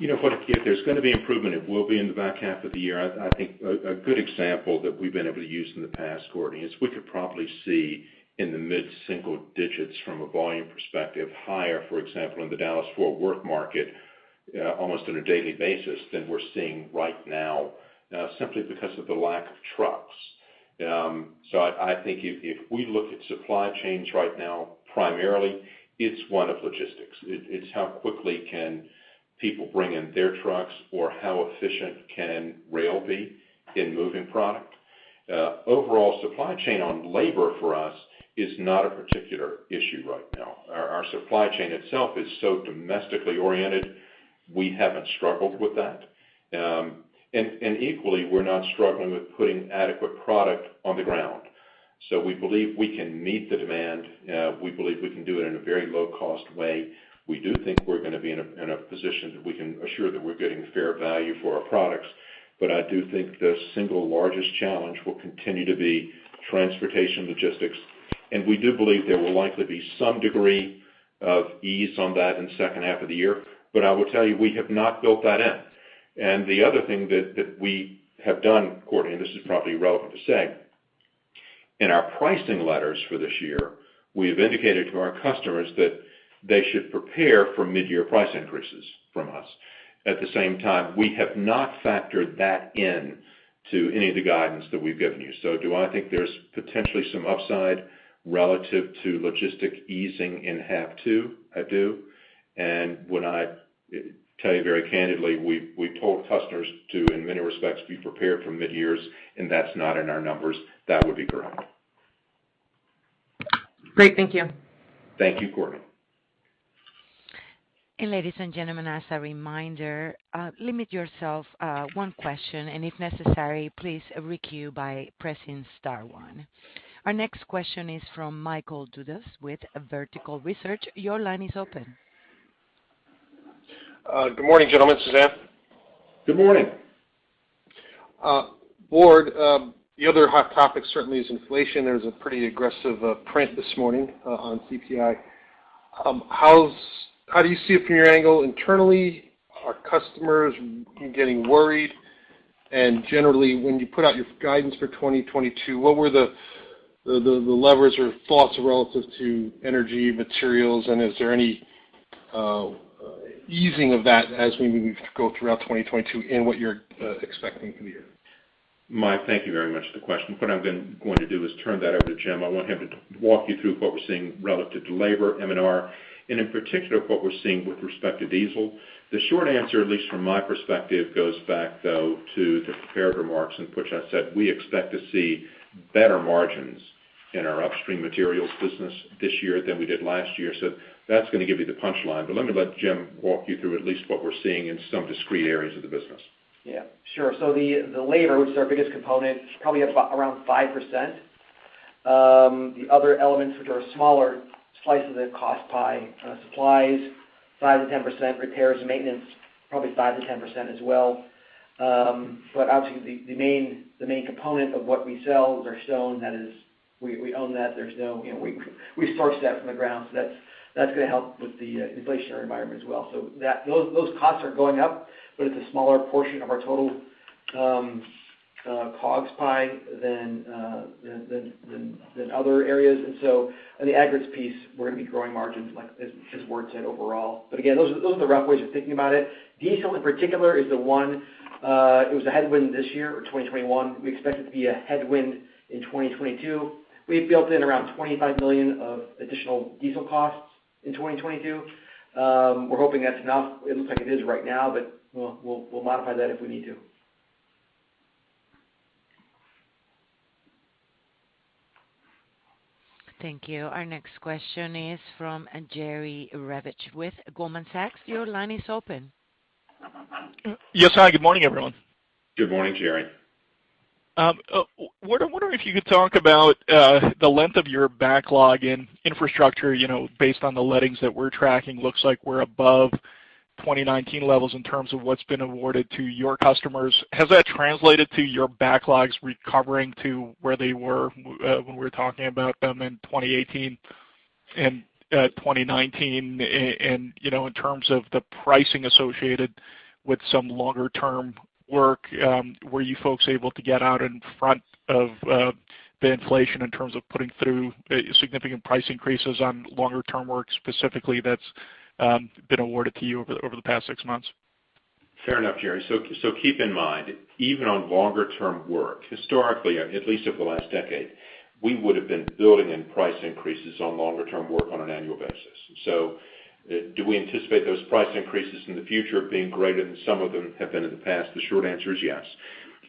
You know what, if there's gonna be improvement, it will be in the back half of the year. I think a good example that we've been able to use in the past, Angel, is we could probably see in the mid-single digits from a volume perspective higher, for example, in the Dallas-Fort Worth market, almost on a daily basis than we're seeing right now, simply because of the lack of trucks. I think if we look at supply chains right now, primarily it's one of logistics. It's how quickly can people bring in their trucks or how efficient can rail be in moving product. Overall, supply chain on labor for us is not a particular issue right now. Our supply chain itself is so domestically oriented, we haven't struggled with that. Equally, we're not struggling with putting adequate product on the ground. We believe we can meet the demand. We believe we can do it in a very low-cost way. We do think we're gonna be in a position that we can assure that we're getting fair value for our products. I do think the single largest challenge will continue to be transportation logistics. We do believe there will likely be some degree of ease on that in the second half of the year. I will tell you, we have not built that in. The other thing that we have done, Courtney, and this is probably relevant to say, in our pricing letters for this year, we have indicated to our customers that they should prepare for mid-year price increases from us. At the same time, we have not factored that in to any of the guidance that we've given you. So do I think there's potentially some upside relative to logistics easing in half two? I do. When I tell you very candidly, we've told customers to, in many respects, be prepared for mid-years, and that's not in our numbers, that would be correct. Great. Thank you. Thank you, Angel Castillo. Ladies and gentlemen, as a reminder, limit yourself to one question, and if necessary, please re-queue by pressing star one. Our next question is from Michael Dudas with Vertical Research Partners. Your line is open. Good morning, gentlemen, Suzanne. Good morning. Ward, the other hot topic certainly is inflation. There's a pretty aggressive print this morning on CPI. How do you see it from your angle internally? Are customers getting worried? Generally, when you put out your guidance for 2022, what were the levers or thoughts relative to energy, materials, and is there any easing of that as we go throughout 2022 in what you're expecting for the year? Mike, thank you very much for the question. What I'm then going to do is turn that over to Jim. I want him to walk you through what we're seeing relative to labor, M&R, and in particular, what we're seeing with respect to diesel. The short answer, at least from my perspective, goes back, though, to the prepared remarks in which I said we expect to see better margins in our upstream materials business this year than we did last year. That's gonna give you the punchline. Let me let Jim walk you through at least what we're seeing in some discrete areas of the business. Yeah, sure. The labor, which is our biggest component, is probably around 5%. The other elements which are smaller slice of the cost pie, supplies, 5%-10%, repairs and maintenance, probably 5%-10% as well. But obviously, the main component of what we sell is our stone. That is, we own that. You know, we source that from the ground, so that's gonna help with the inflationary environment as well. Those costs are going up, but it's a smaller portion of our total COGS pie than other areas. On the aggregates piece, we're gonna be growing margins like as Ward said overall. Those are the rough ways of thinking about it. Diesel, in particular, is the one. It was a headwind this year or 2021. We expect it to be a headwind in 2022. We've built in around $25 million of additional diesel costs in 2022. We're hoping that's enough. It looks like it is right now, but we'll modify that if we need to. Thank you. Our next question is from Jerry Revich with Goldman Sachs. Your line is open. Yes. Hi, Good morning, everyone. Good morning, Jerry. I wonder if you could talk about the length of your backlog in infrastructure, you know, based on the lettings that we're tracking. Looks like we're above 2019 levels in terms of what's been awarded to your customers. Has that translated to your backlogs recovering to where they were when we were talking about them in 2018 and 2019? You know, in terms of the pricing associated with some longer term work, were you folks able to get out in front of the inflation in terms of putting through significant price increases on longer term work, specifically that's been awarded to you over the past six months? Fair enough, Jerry. Keep in mind, even on longer term work, historically, at least over the last decade, we would have been building in price increases on longer term work on an annual basis. Do we anticipate those price increases in the future being greater than some of them have been in the past? The short answer is yes.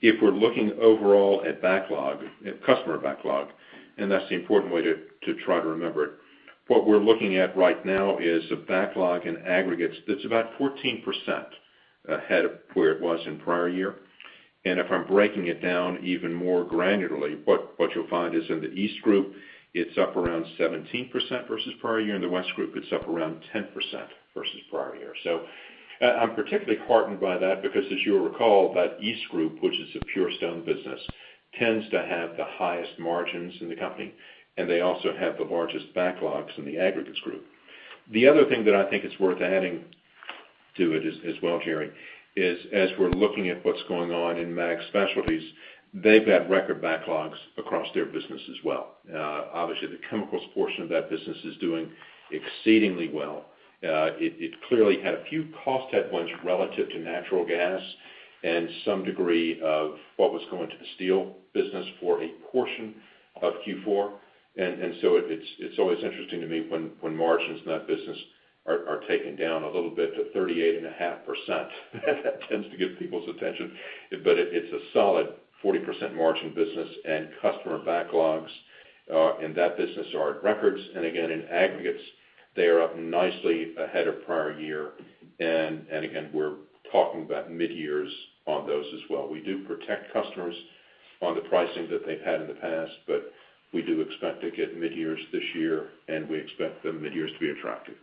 If we're looking overall at backlog, at customer backlog, and that's the important way to try to remember it, what we're looking at right now is a backlog in aggregates that's about 14% ahead of where it was in prior year. If I'm breaking it down even more granularly, what you'll find is in the East Group, it's up around 17% versus prior year. In the West Group, it's up around 10% versus prior year. I'm particularly heartened by that because as you'll recall, that East Group, which is a pure stone business, tends to have the highest margins in the company, and they also have the largest backlogs in the aggregates group. The other thing that I think is worth adding to it as well, Jerry, is as we're looking at what's going on in Magnesia Specialties, they've had record backlogs across their business as well. Obviously, the chemicals portion of that business is doing exceedingly well. It clearly had a few cost headwinds relative to natural gas and some degree of what was going to the steel business for a portion of Q4. It's always interesting to me when margins in that business are taken down a little bit to 38.5%. That tends to get people's attention. It's a solid 40% margin business, and customer backlogs in that business are at records. Again, in aggregates, they are up nicely ahead of prior year. Again, we're talking about mid-years on those as well. We do protect customers on the pricing that they've had in the past, but we do expect to get mid-years this year, and we expect the mid-years to be attractive.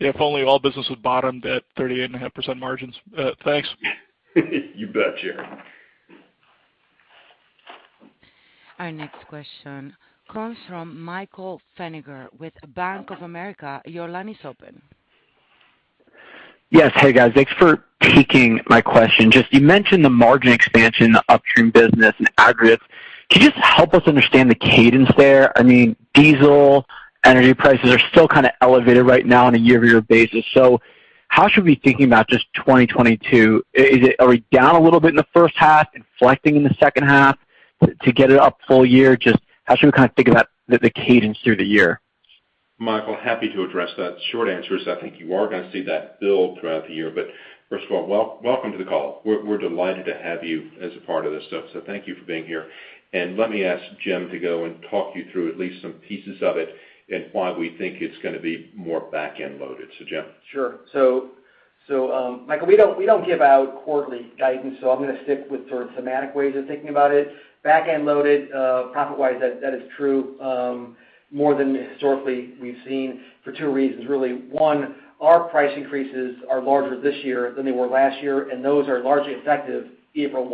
If only all business would bottom at 38.5% margins. Thanks. You bet, Jerry. Our next question comes from Michael Feniger with Bank of America. Your line is open. Yes. Hey, guys. Thanks for taking my question. Just, you mentioned the margin expansion in the upstream business and aggregates. Can you just help us understand the cadence there? I mean, diesel and energy prices are still kinda elevated right now on a year-over-year basis. So how should we be thinking about just 2022? Are we down a little bit in the first half, inflecting in the second half to get it up full year? Just how should we kinda think about the cadence through the year? Michael, happy to address that. Short answer is, I think you are gonna see that build throughout the year. First of all, welcome to the call. We're delighted to have you as a part of this stuff, so thank you for being here. Let me ask Jim to go and talk you through at least some pieces of it and why we think it's gonna be more back-end loaded. Jim. Sure. Michael, we don't give out quarterly guidance, so I'm gonna stick with sort of semantic ways of thinking about it. Back-end loaded, profit-wise, that is true, more than historically we've seen for two reasons, really. One, our price increases are larger this year than they were last year, and those are largely effective April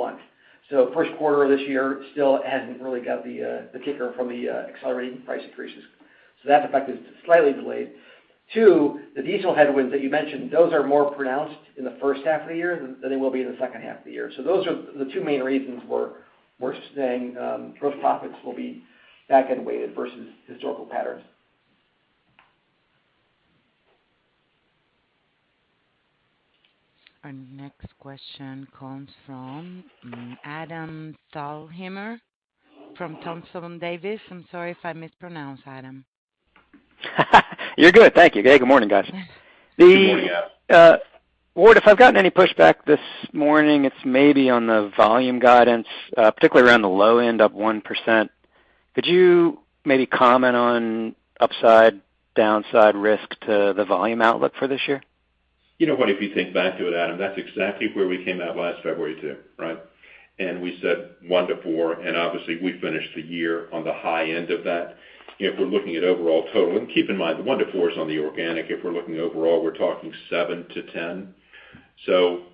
1. First quarter of this year still hasn't really got the kicker from the accelerating price increases. That effect is slightly delayed. Two, the diesel headwinds that you mentioned, those are more pronounced in the first half of the year than they will be in the second half of the year. Those are the two main reasons we're saying gross profits will be back-end weighted versus historical patterns. Our next question comes from Adam Thalhimer from Thompson Davis. I'm sorry if I mispronounced, Adam. You're good. Thank you. Good morning, guys. Good morning, Adam. Ward, if I've gotten any pushback this morning, it's maybe on the volume guidance, particularly around the low end of 1%. Could you maybe comment on upside, downside risk to the volume outlook for this year? You know what? If you think back to it, Adam, that's exactly where we came out last February, too, right? We said one to four, and obviously we finished the year on the high end of that. If we're looking at overall total, and keep in mind, the one to four is on the organic. If we're looking overall, we're talking seven to 10.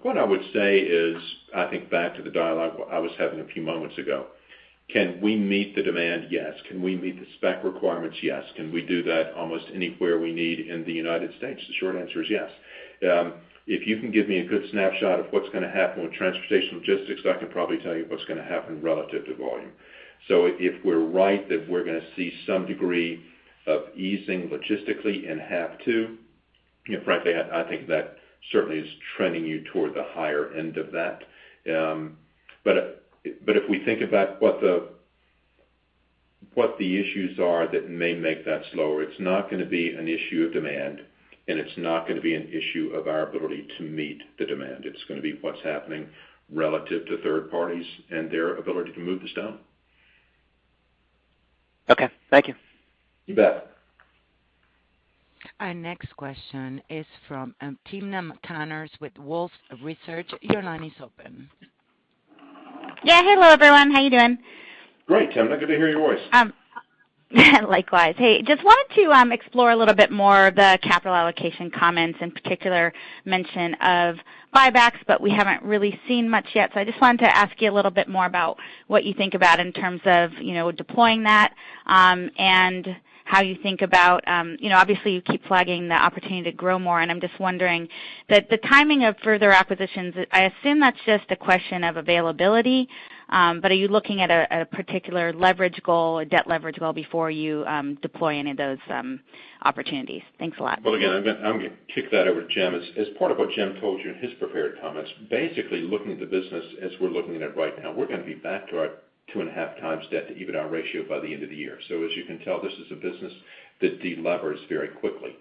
What I would say is, I think back to the dialogue I was having a few moments ago. Can we meet the demand? Yes. Can we meet the spec requirements? Yes. Can we do that almost anywhere we need in the United States? The short answer is yes. If you can give me a good snapshot of what's gonna happen with transportation logistics, I can probably tell you what's gonna happen relative to volume. If we're right that we're gonna see some degree of easing logistically in half two, frankly, I think that certainly is trending you toward the higher end of that. If we think about what the issues are that may make that slower, it's not gonna be an issue of demand, and it's not gonna be an issue of our ability to meet the demand. It's gonna be what's happening relative to third parties and their ability to move the stone. Okay. Thank you. You bet. Our next question is from Timna Tanners with Wolfe Research. Your line is open. Yeah. Hello, everyone. How you doing? Great, Timna. Good to hear your voice. Likewise. Hey, just wanted to explore a little bit more the capital allocation comments, in particular mention of buybacks, but we haven't really seen much yet. I just wanted to ask you a little bit more about what you think about in terms of, you know, deploying that, and how you think about, you know, obviously, you keep flagging the opportunity to grow more, and I'm just wondering that the timing of further acquisitions, I assume that's just a question of availability, but are you looking at a particular leverage goal, a debt leverage goal before you deploy any of those opportunities? Thanks a lot. Well, again, I'm gonna kick that over to Jim. As part of what Jim told you in his prepared comments, basically, looking at the business as we're looking at it right now, we're gonna be back to our 2.5 times debt to EBITDA ratio by the end of the year. As you can tell, this is a business that delevers very quickly.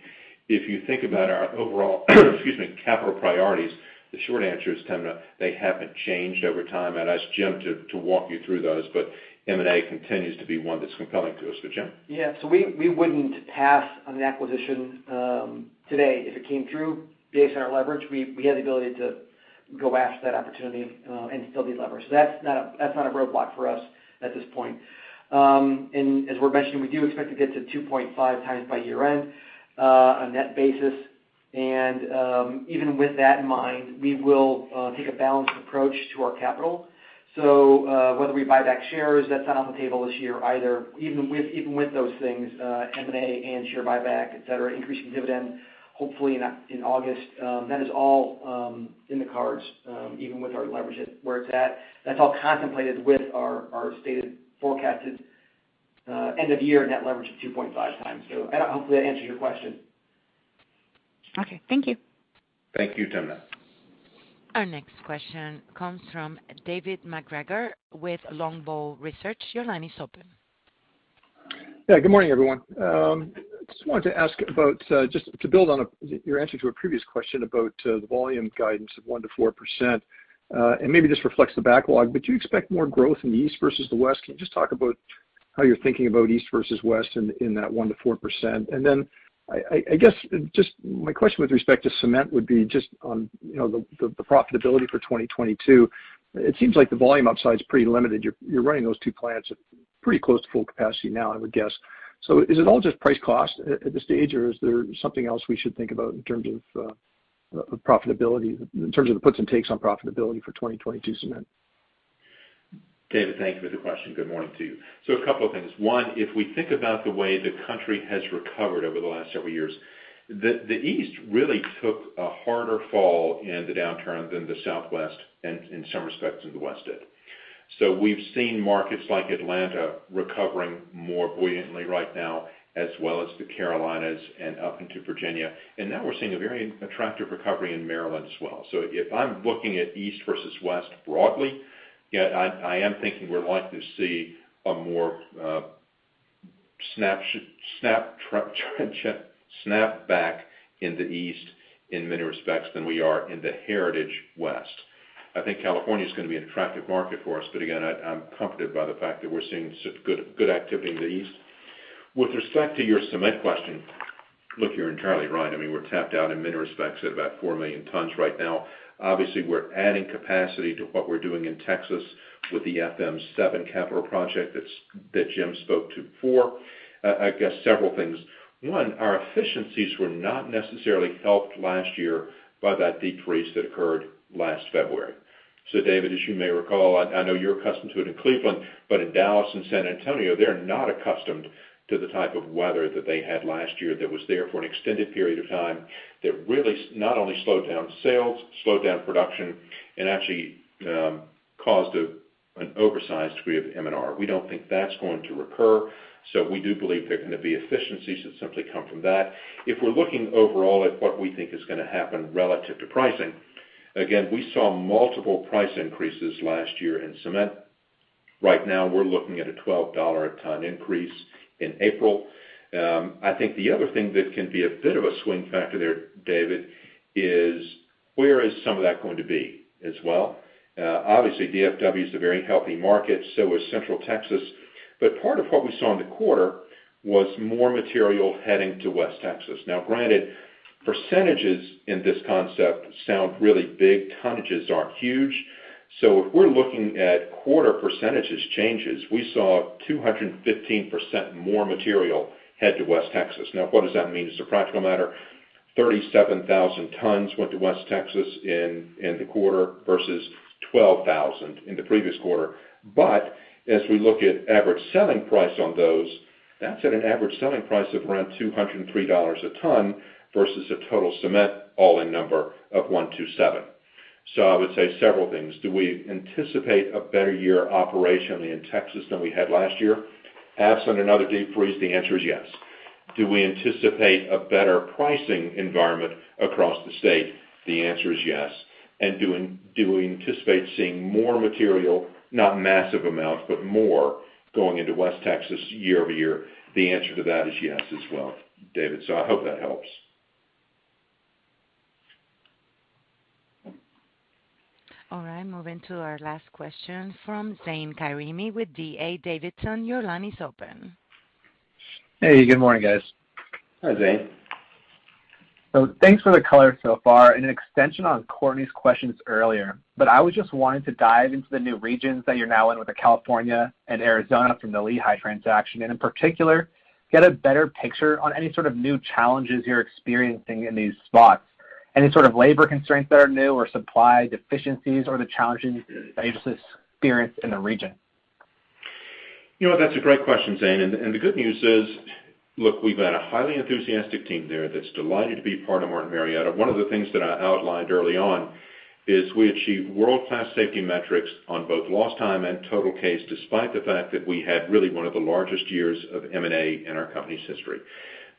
If you think about our overall, excuse me, capital priorities, the short answer is, Timna, they haven't changed over time. I'd ask Jim to walk you through those, but M&A continues to be one that's compelling to us. Jim? Yeah. We wouldn't pass on an acquisition today if it came through based on our leverage. We have the ability to go after that opportunity and still. That's not a roadblock for us at this point. As we're mentioning, we do expect to get to 2.5 times by year-end on net basis. Even with that in mind, we will take a balanced approach to our capital. Whether we buy back shares, that's not on the table this year either. Even with those things, M&A and share buyback, et cetera, increasing dividend, hopefully in August, that is all in the cards, even with our leverage at where it's at. That's all contemplated with our stated forecasted end-of-year net leverage of 2.5 times. Hopefully that answers your question. Okay. Thank you. Thank you, Timna. Our next question comes from David MacGregor with Longbow Research. Your line is open. Yeah. Good morning, everyone. Just wanted to ask about just to build on your answer to a previous question about the volume guidance of 1%-4%. And maybe this reflects the backlog, but do you expect more growth in the East versus the West? Can you just talk about how you're thinking about East versus West in that 1%-4%? I guess just my question with respect to cement would be just on, you know, the profitability for 2022. It seems like the volume upside is pretty limited. You're running those two plants at pretty close to full capacity now, I would guess. Is it all just price cost at this stage, or is there something else we should think about in terms of profitability, in terms of the puts and takes on profitability for 2022 cement? David, thank you for the question. Good morning to you. A couple of things. One, if we think about the way the country has recovered over the last several years, the East really took a harder fall in the downturn than the Southwest and in some respects than the West did. We've seen markets like Atlanta recovering more buoyantly right now, as well as the Carolinas and up into Virginia. Now we're seeing a very attractive recovery in Maryland as well. If I'm looking at East versus West broadly, yeah, I am thinking we're likely to see a more snap back in the East in many respects than we are in the Heritage West. I think California is gonna be an attractive market for us, but again, I'm comforted by the fact that we're seeing such good activity in the East. With respect to your cement question, look, you're entirely right. I mean, we're tapped out in many respects at about four million tons right now. Obviously, we're adding capacity to what we're doing in Texas with the FM7 capital project that Jim spoke to before. I guess several things. One, our efficiencies were not necessarily helped last year by that decrease that occurred last February. David, as you may recall, I know you're accustomed to it in Cleveland, but in Dallas and San Antonio, they're not accustomed to the type of weather that they had last year that was there for an extended period of time, that really not only slowed down sales, slowed down production, and actually caused an oversized degree of M&R. We don't think that's going to recur, so we do believe there are gonna be efficiencies that simply come from that. If we're looking overall at what we think is gonna happen relative to pricing, again, we saw multiple price increases last year in cement. Right now, we're looking at a $12 a ton increase in April. I think the other thing that can be a bit of a swing factor there, David, is where is some of that going to be as well? Obviously, DFW is a very healthy market, so is Central Texas. Part of what we saw in the quarter was more material heading to West Texas. Now granted, percentages in this concept sound really big, tonnages aren't huge. If we're looking at quarter percentages changes, we saw 215% more material head to West Texas. Now what does that mean as a practical matter? 37,000 tons went to West Texas in the quarter versus 12,000 in the previous quarter. As we look at average selling price on those, that's at an average selling price of around $203 a ton versus a total cement all-in number of $127. I would say several things. Do we anticipate a better year operationally in Texas than we had last year? Absent another deep freeze, the answer is yes. Do we anticipate a better pricing environment across the state? The answer is yes. Do we anticipate seeing more material, not massive amounts, but more going into West Texas year over year? The answer to that is yes as well, David. I hope that helps. All right, moving to our last question from Zane Karimi with D.A. Davidson. Your line is open. Hey, good morning, guys. Hi, Zane. Thanks for the color so far and an extension on Angel Castillo's questions earlier. I was just wanting to dive into the new regions that you're now in with the California and Arizona from the Lehigh transaction, and in particular, get a better picture on any sort of new challenges you're experiencing in these spots. Any sort of labor constraints that are new or supply deficiencies or the challenges that you just experienced in the region? You know what, that's a great question, Zane. The good news is, look, we've got a highly enthusiastic team there that's delighted to be part of Martin Marietta. One of the things that I outlined early on is we achieved world-class safety metrics on both lost time and total case, despite the fact that we had really one of the largest years of M&A in our company's history.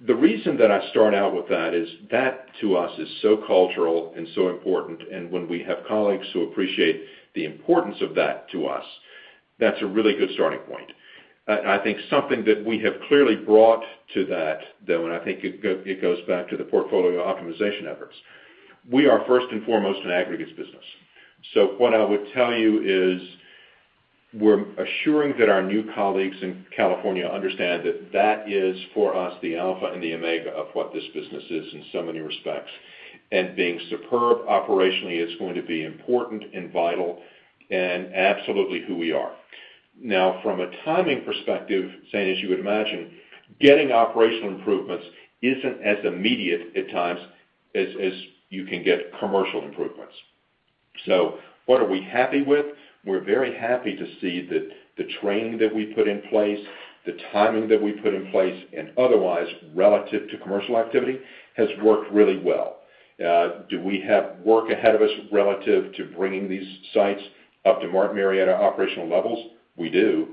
The reason that I start out with that is that to us is so cultural and so important. When we have colleagues who appreciate the importance of that to us, that's a really good starting point. I think something that we have clearly brought to that, though, and I think it goes back to the portfolio optimization efforts. We are first and foremost an aggregates business. What I would tell you is we're assuring that our new colleagues in California understand that that is for us the alpha and the omega of what this business is in so many respects. Being superb operationally is going to be important and vital and absolutely who we are. Now from a timing perspective, Zane, as you would imagine, getting operational improvements isn't as immediate at times as you can get commercial improvements. What are we happy with? We're very happy to see that the training that we put in place, the timing that we put in place, and otherwise relative to commercial activity has worked really well. Do we have work ahead of us relative to bringing these sites up to Martin Marietta operational levels? We do.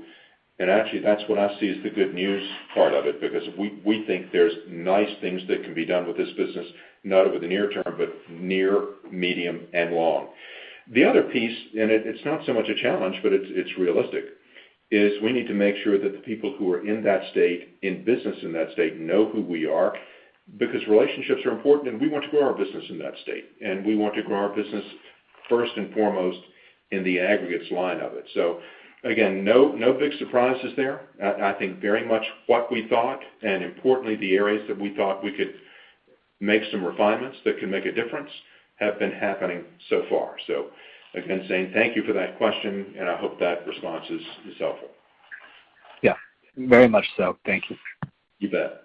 Actually, that's what I see as the good news part of it because we think there's nice things that can be done with this business, not over the near term, but near, medium, and long. The other piece, it's not so much a challenge, but it's realistic, is we need to make sure that the people who are in that state, in business in that state, know who we are because relationships are important, and we want to grow our business in that state. We want to grow our business first and foremost in the aggregates line of it. Again, no big surprises there. I think very much what we thought and importantly, the areas that we thought we could make some refinements that can make a difference have been happening so far. Again, Zane, thank you for that question, and I hope that response is helpful. Yeah, very much so. Thank you. You bet.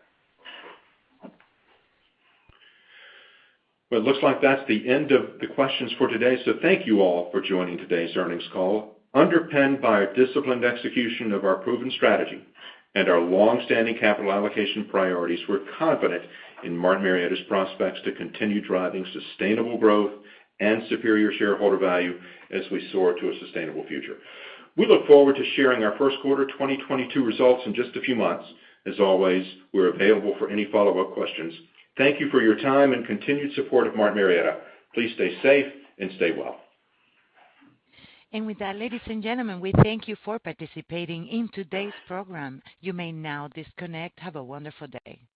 Well, it looks like that's the end of the questions for today. Thank you all for joining today's earnings call. Underpinned by our disciplined execution of our proven strategy and our long-standing capital allocation priorities, we're confident in Martin Marietta's prospects to continue driving sustainable growth and superior shareholder value as we soar to a sustainable future. We look forward to sharing our first quarter 2022 results in just a few months. As always, we're available for any follow-up questions. Thank you for your time and continued support of Martin Marietta. Please stay safe and stay well. With that, ladies and gentlemen, we thank you for participating in today's program. You may now disconnect. Have a wonderful day.